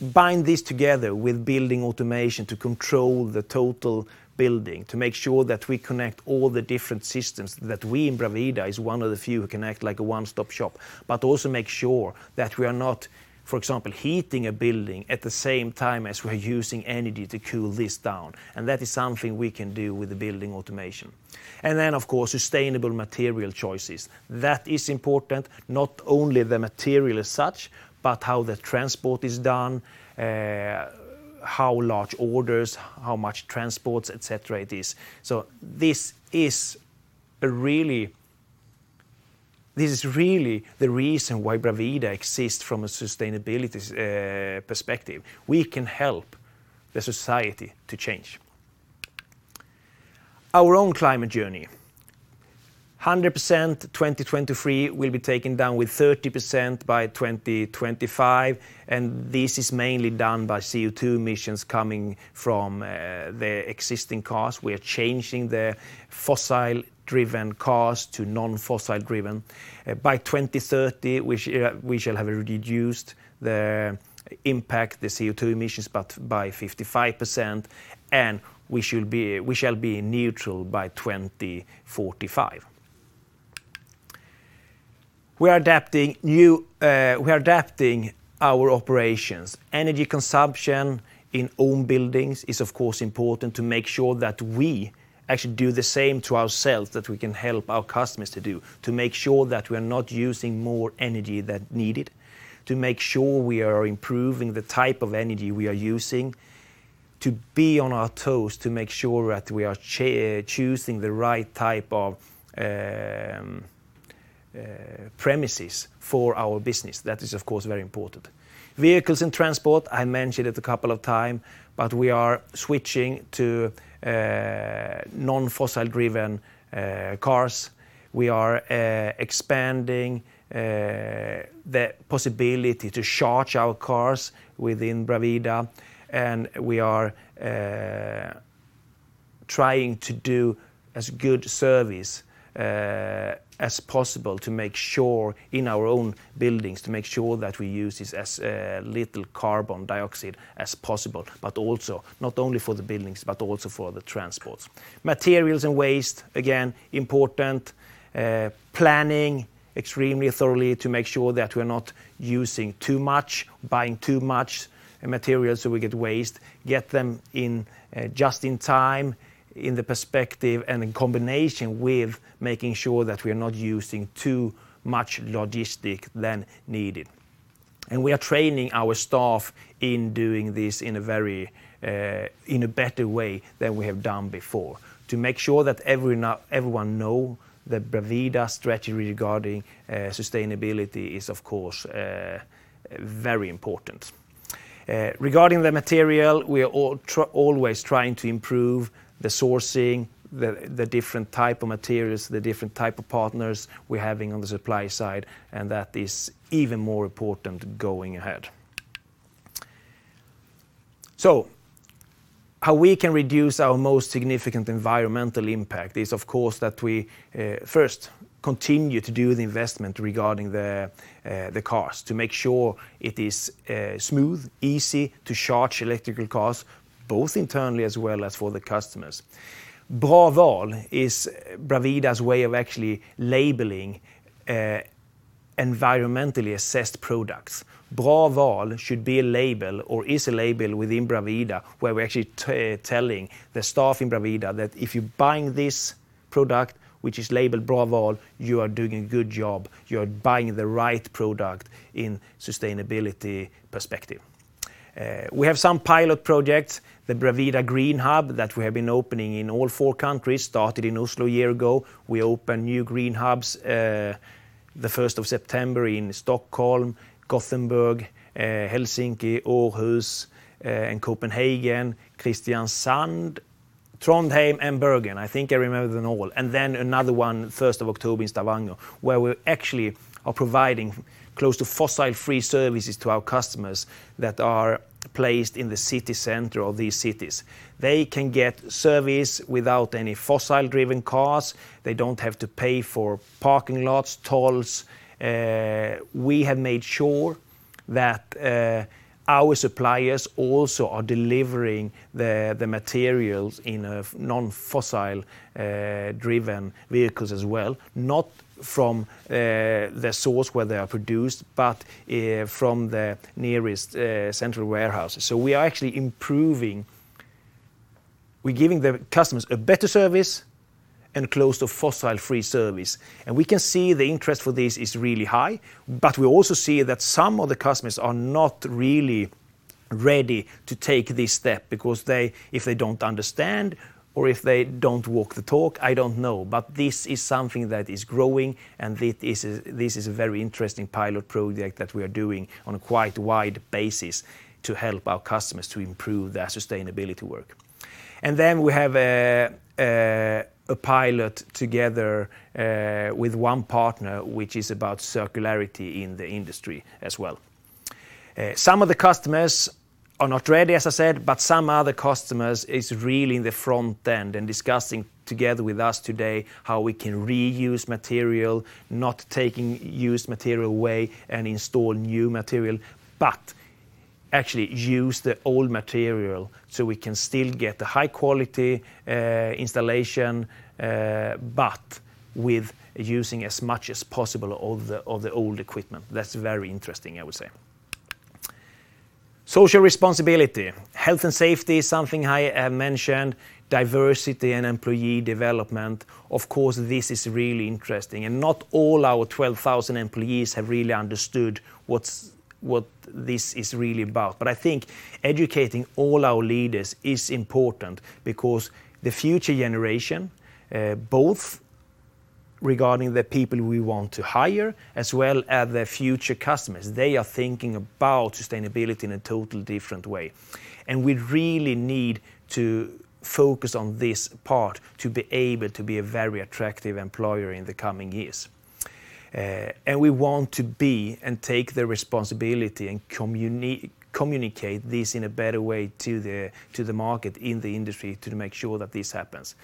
Bind this together with building automation to control the total building, to make sure that we connect all the different systems that we in Bravida is one of the few who can act like a one-stop shop. Also make sure that we are not, for example, heating a building at the same time as we're using energy to cool this down, and that is something we can do with the building automation. Of course, sustainable material choices. That is important, not only the material as such, but how the transport is done, how large orders, how much transports, et cetera, it is. This is really the reason why Bravida exists from a sustainability perspective. We can help the society to change. Our own climate journey 100% 2023 will be taken down 30% by 2025, and this is mainly done by CO2 emissions coming from the existing cars. We are changing the fossil-driven cars to non-fossil driven. By 2030, we shall have reduced the impact, the CO2 emissions, 55%, and we shall be neutral by 2045. We are adapting our operations. Energy consumption in own buildings is of course important to make sure that we actually do the same to ourselves that we can help our customers to do, to make sure that we're not using more energy than needed, to make sure we are improving the type of energy we are using, to be on our toes to make sure that we are choosing the right type of premises for our business. That is, of course, very important. Vehicles and transport, I mentioned it a couple of times, but we are switching to non-fossil driven cars. We are expanding the possibility to charge our cars within Bravida, and we are trying to do as good service as possible to make sure in our own buildings, to make sure that we use as little carbon dioxide as possible, but also not only for the buildings, but also for the transports. Materials and waste, again, important. Planning extremely thoroughly to make sure that we're not using too much, buying too much materials so we get waste, get them in just in time in the perspective and in combination with making sure that we are not using too much logistic than needed. We are training our staff in doing this in a very, in a better way than we have done before to make sure that everyone know that Bravida's strategy regarding, sustainability is of course, very important. Regarding the material, we are always trying to improve the sourcing, the different type of materials, the different type of partners we're having on the supply side, and that is even more important going ahead. How we can reduce our most significant environmental impact is, of course, that we, first continue to do the investment regarding the cars to make sure it is, smooth, easy to charge electric cars, both internally as well as for the customers. BraVal is Bravida's way of actually labeling, environmentally assessed products. BraVal should be a label or is a label within Bravida where we're actually telling the staff in Bravida that if you're buying this product which is labeled BraVal, you are doing a good job, you are buying the right product in sustainability perspective. We have some pilot projects, the Bravida GreenHub that we have been opening in all four countries, started in Oslo a year ago. We opened new green hubs, the first of September in Stockholm, Gothenburg, Helsinki, Aarhus, in Copenhagen, Kristiansand, Trondheim, and Bergen. I think I remembered them all. Another one first of October in Stavanger, where we actually are providing close to fossil-free services to our customers that are placed in the city center of these cities. They can get service without any fossil-driven cars. They don't have to pay for parking lots, tolls. We have made sure that our suppliers also are delivering the materials in a non-fossil driven vehicles as well, not from the source where they are produced, but from the nearest central warehouses. We are actually giving the customers a better service and close to fossil-free service. We can see the interest for this is really high. We also see that some of the customers are not really ready to take this step because they if they don't understand or if they don't walk the talk, I don't know. This is something that is growing and this is a very interesting pilot project that we are doing on a quite wide basis to help our customers to improve their sustainability work. We have a pilot together with one partner which is about circularity in the industry as well. Some of the customers are not ready, as I said, but some other customers is really in the front end and discussing together with us today how we can reuse material, not taking used material away and install new material, but actually use the old material, so we can still get the high quality Installation but with using as much as possible of the old equipment. That's very interesting, I would say. Social responsibility. Health and safety is something I mentioned, diversity and employee development. Of course, this is really interesting. Not all our 12,000 employees have really understood what this is really about. I think educating all our leaders is important because the future generation, both regarding the people we want to hire as well as the future customers, they are thinking about sustainability in a totally different way. We really need to focus on this part to be able to be a very attractive employer in the coming years. We want to be and take the responsibility and communicate this in a better way to the market in the industry to make sure that this happens.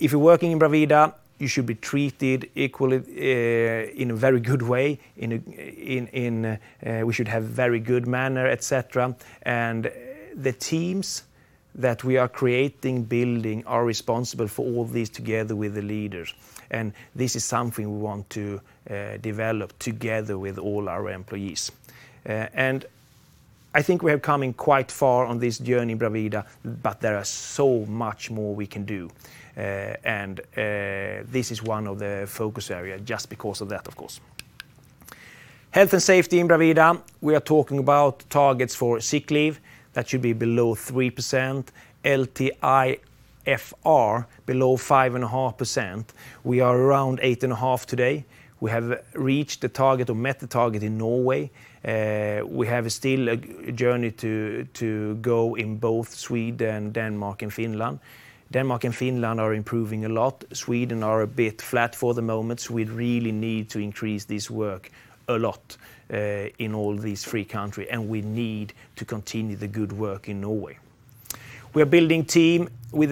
If you're working in Bravida, you should be treated equally in a very good way. We should have very good manner, et cetera. The teams that we are creating, building are responsible for all this together with the leaders. This is something we want to develop together with all our employees. I think we have coming quite far on this journey in Bravida, but there are so much more we can do. This is one of the focus area just because of that, of course. Health and safety in Bravida, we are talking about targets for sick leave that should be below 3%, LTIFR below 5.5%. We are around 8.5 today. We have reached the target or met the target in Norway. We have still a journey to go in both Sweden, Denmark, and Finland. Denmark and Finland are improving a lot. Sweden are a bit flat for the moment. We really need to increase this work a lot in all these three countries, and we need to continue the good work in Norway. We're building teams with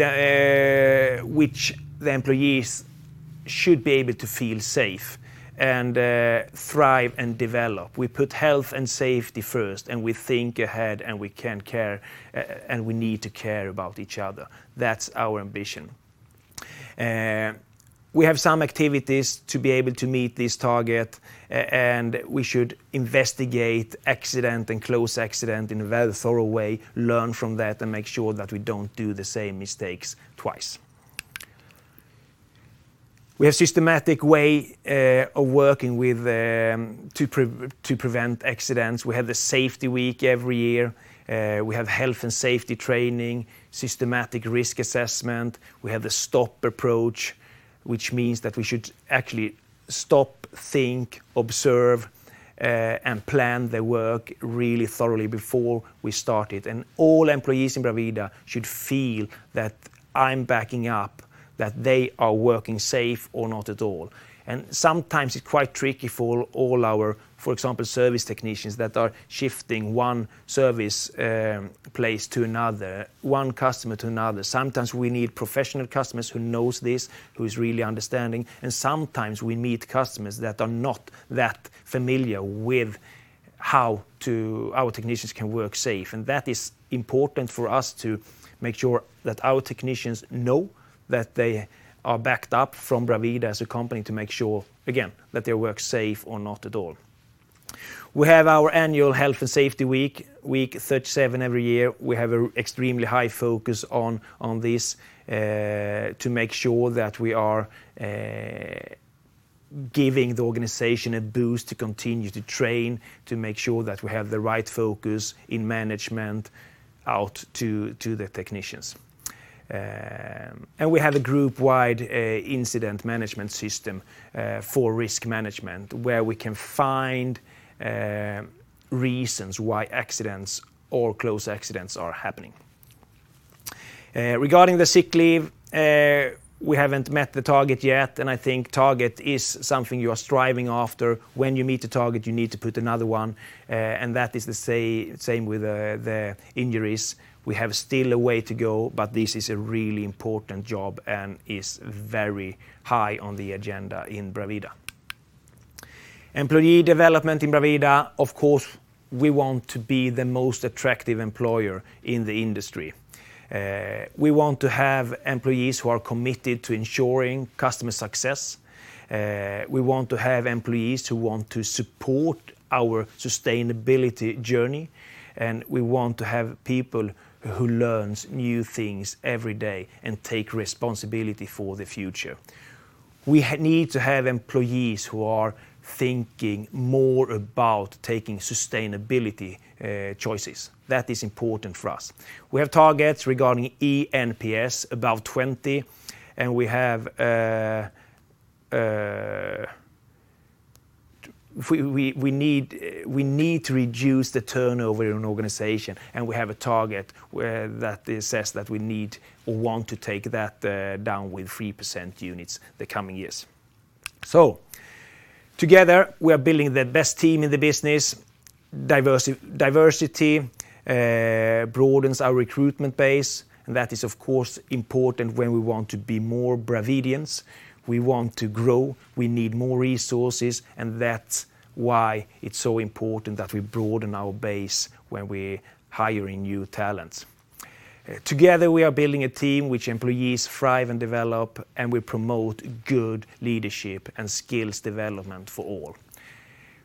which the employees should be able to feel safe and thrive and develop. We put health and safety first, and we think ahead, and we can care and we need to care about each other. That's our ambition. We have some activities to be able to meet this target and we should investigate accidents and close accidents in a very thorough way, learn from that, and make sure that we don't do the same mistakes twice. We have systematic way of working to prevent accidents. We have the safety week every year. We have health and safety training and systematic risk assessment. We have the STOP approach, which means that we should actually stop, think, observe, and plan their work really thoroughly before we start it. All employees in Bravida should feel that I'm backing up, that they are working safe or not at all. Sometimes it's quite tricky for all our, for example, service technicians that are shifting one service place to another, one customer to another. Sometimes we need professional customers who knows this, who is really understanding, and sometimes we meet customers that are not that familiar with how our technicians can work safe. That is important for us to make sure that our technicians know that they are backed up from Bravida as a company to make sure, again, that they work safe or not at all. We have our annual health and safety week 37 every year. We have an extremely high focus on this to make sure that we are giving the organization a boost to continue to train, to make sure that we have the right focus in management out to the technicians. We have a group-wide incident management system for risk management, where we can find reasons why accidents or close accidents are happening. Regarding the sick leave, we haven't met the target yet, and I think target is something you are striving after. When you meet a target, you need to put another one, and that is the same with the injuries. We have still a way to go, but this is a really important job and is very high on the agenda in Bravida. Employee development in Bravida, of course, we want to be the most attractive employer in the industry. We want to have employees who are committed to ensuring customer success. We want to have employees who want to support our sustainability journey, and we want to have people who learns new things every day and take responsibility for the future. We need to have employees who are thinking more about taking sustainability choices. That is important for us. We have targets regarding eNPS above 20, and we need to reduce the turnover in organization, and we have a target where that says that we need or want to take that down with 3 percentage points the coming years. Together, we are building the best team in the business. Diversity broadens our recruitment base, and that is of course important when we want to be more Bravidians. We want to grow, we need more resources, and that's why it's so important that we broaden our base when we're hiring new talents. Together, we are building a team which employees thrive and develop, and we promote good leadership and skills development for all.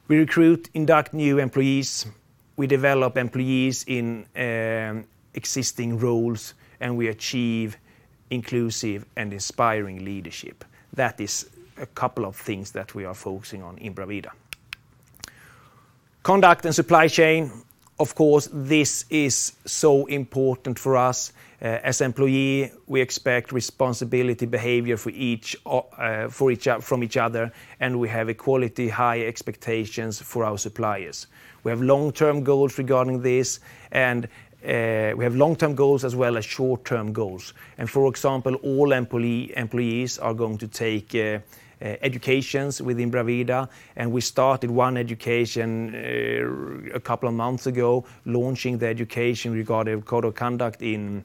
We recruit, induct new employees, we develop employees in existing roles, and we achieve inclusive and inspiring leadership. That is a couple of things that we are focusing on in Bravida. Conduct and supply chain, of course, this is so important for us. As employees, we expect responsible behavior from each other, and we have equally high expectations for our suppliers. We have long-term goals regarding this, and we have long-term goals as well as short-term goals. For example, all employees are going to take educations within Bravida, and we started one education a couple of months ago, launching the education regarding code of conduct in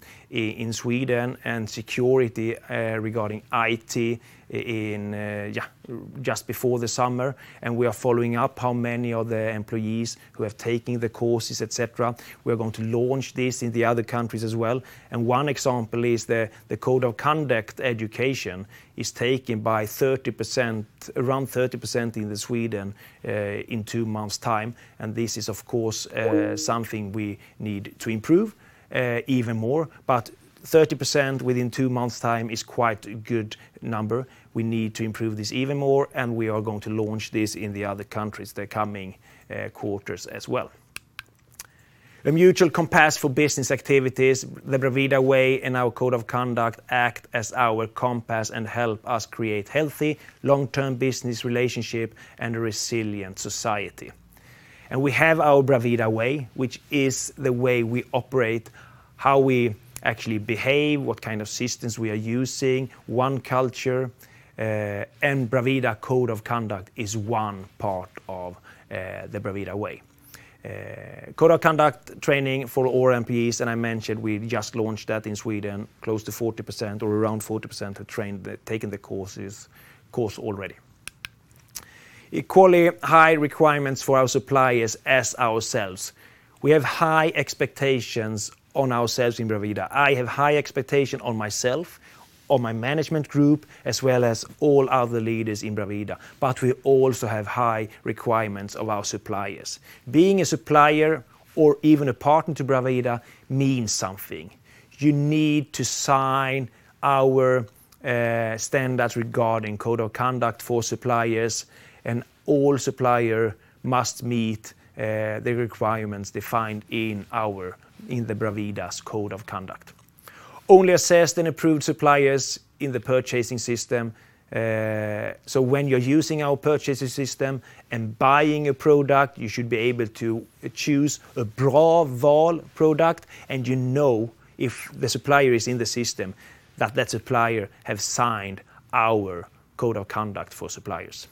Sweden and security regarding IT in just before the summer. We are following up how many of the employees who have taken the courses, et cetera. We're going to launch this in the other countries as well. One example is the code of conduct education is taken by 30%, around 30% in Sweden in two months' time. This is of course something we need to improve even more. 30% within two months' time is quite a good number. We need to improve this even more, and we are going to launch this in the other countries the coming quarters as well. A mutual compass for business activities, the Bravida Way and our code of conduct act as our compass and help us create healthy long-term business relationship and a resilient society. We have our Bravida Way, which is the way we operate, how we actually behave, what kind of systems we are using, one culture, and Bravida Code of Conduct is one part of the Bravida Way. Code of conduct training for all employees, and I mentioned we just launched that in Sweden, close to 40% or around 40% have taken the courses already. Equally high requirements for our suppliers as ourselves. We have high expectations on ourselves in Bravida. I have high expectation on myself, on my management group, as well as all other leaders in Bravida, but we also have high requirements of our suppliers. Being a supplier or even a partner to Bravida means something. You need to sign our standards regarding code of conduct for suppliers, and all suppliers must meet the requirements defined in Bravida's code of conduct. Only assessed and approved suppliers in the purchasing system. So when you're using our purchasing system and buying a product, you should be able to choose a BraVal product, and you know if the supplier is in the system, that supplier has signed our code of conduct for suppliers.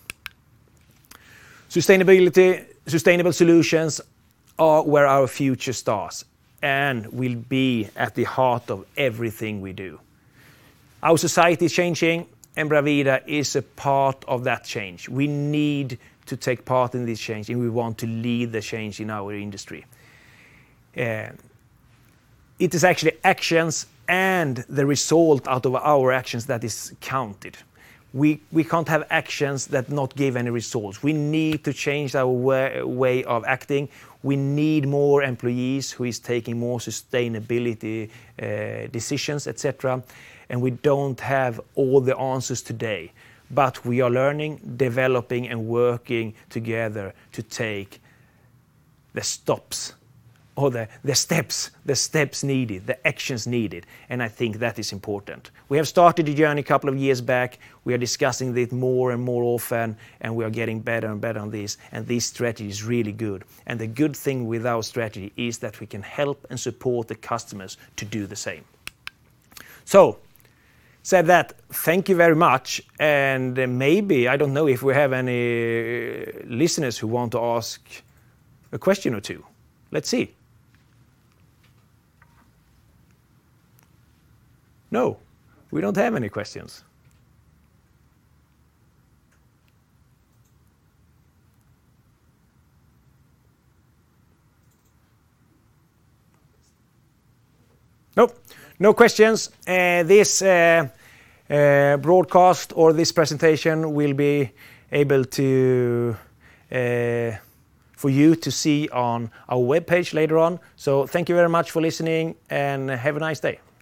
Sustainability, sustainable solutions are where our future starts and will be at the heart of everything we do. Our society is changing, and Bravida is a part of that change. We need to take part in this change, and we want to lead the change in our industry. It is actually actions and the result out of our actions that is counted. We can't have actions that not give any results. We need to change our way of acting. We need more employees who is taking more sustainability decisions, et cetera. We don't have all the answers today, but we are learning, developing, and working together to take the steps needed, the actions needed, and I think that is important. We have started a journey a couple of years back. We are discussing it more and more often, and we are getting better and better on this, and this strategy is really good. The good thing with our strategy is that we can help and support the customers to do the same. With that said, thank you very much. Maybe, I don't know if we have any listeners who want to ask a question or two. Let's see. No, we don't have any questions. Nope. No questions. This broadcast or this presentation will be available for you to see on our webpage later on. Thank you very much for listening, and have a nice day.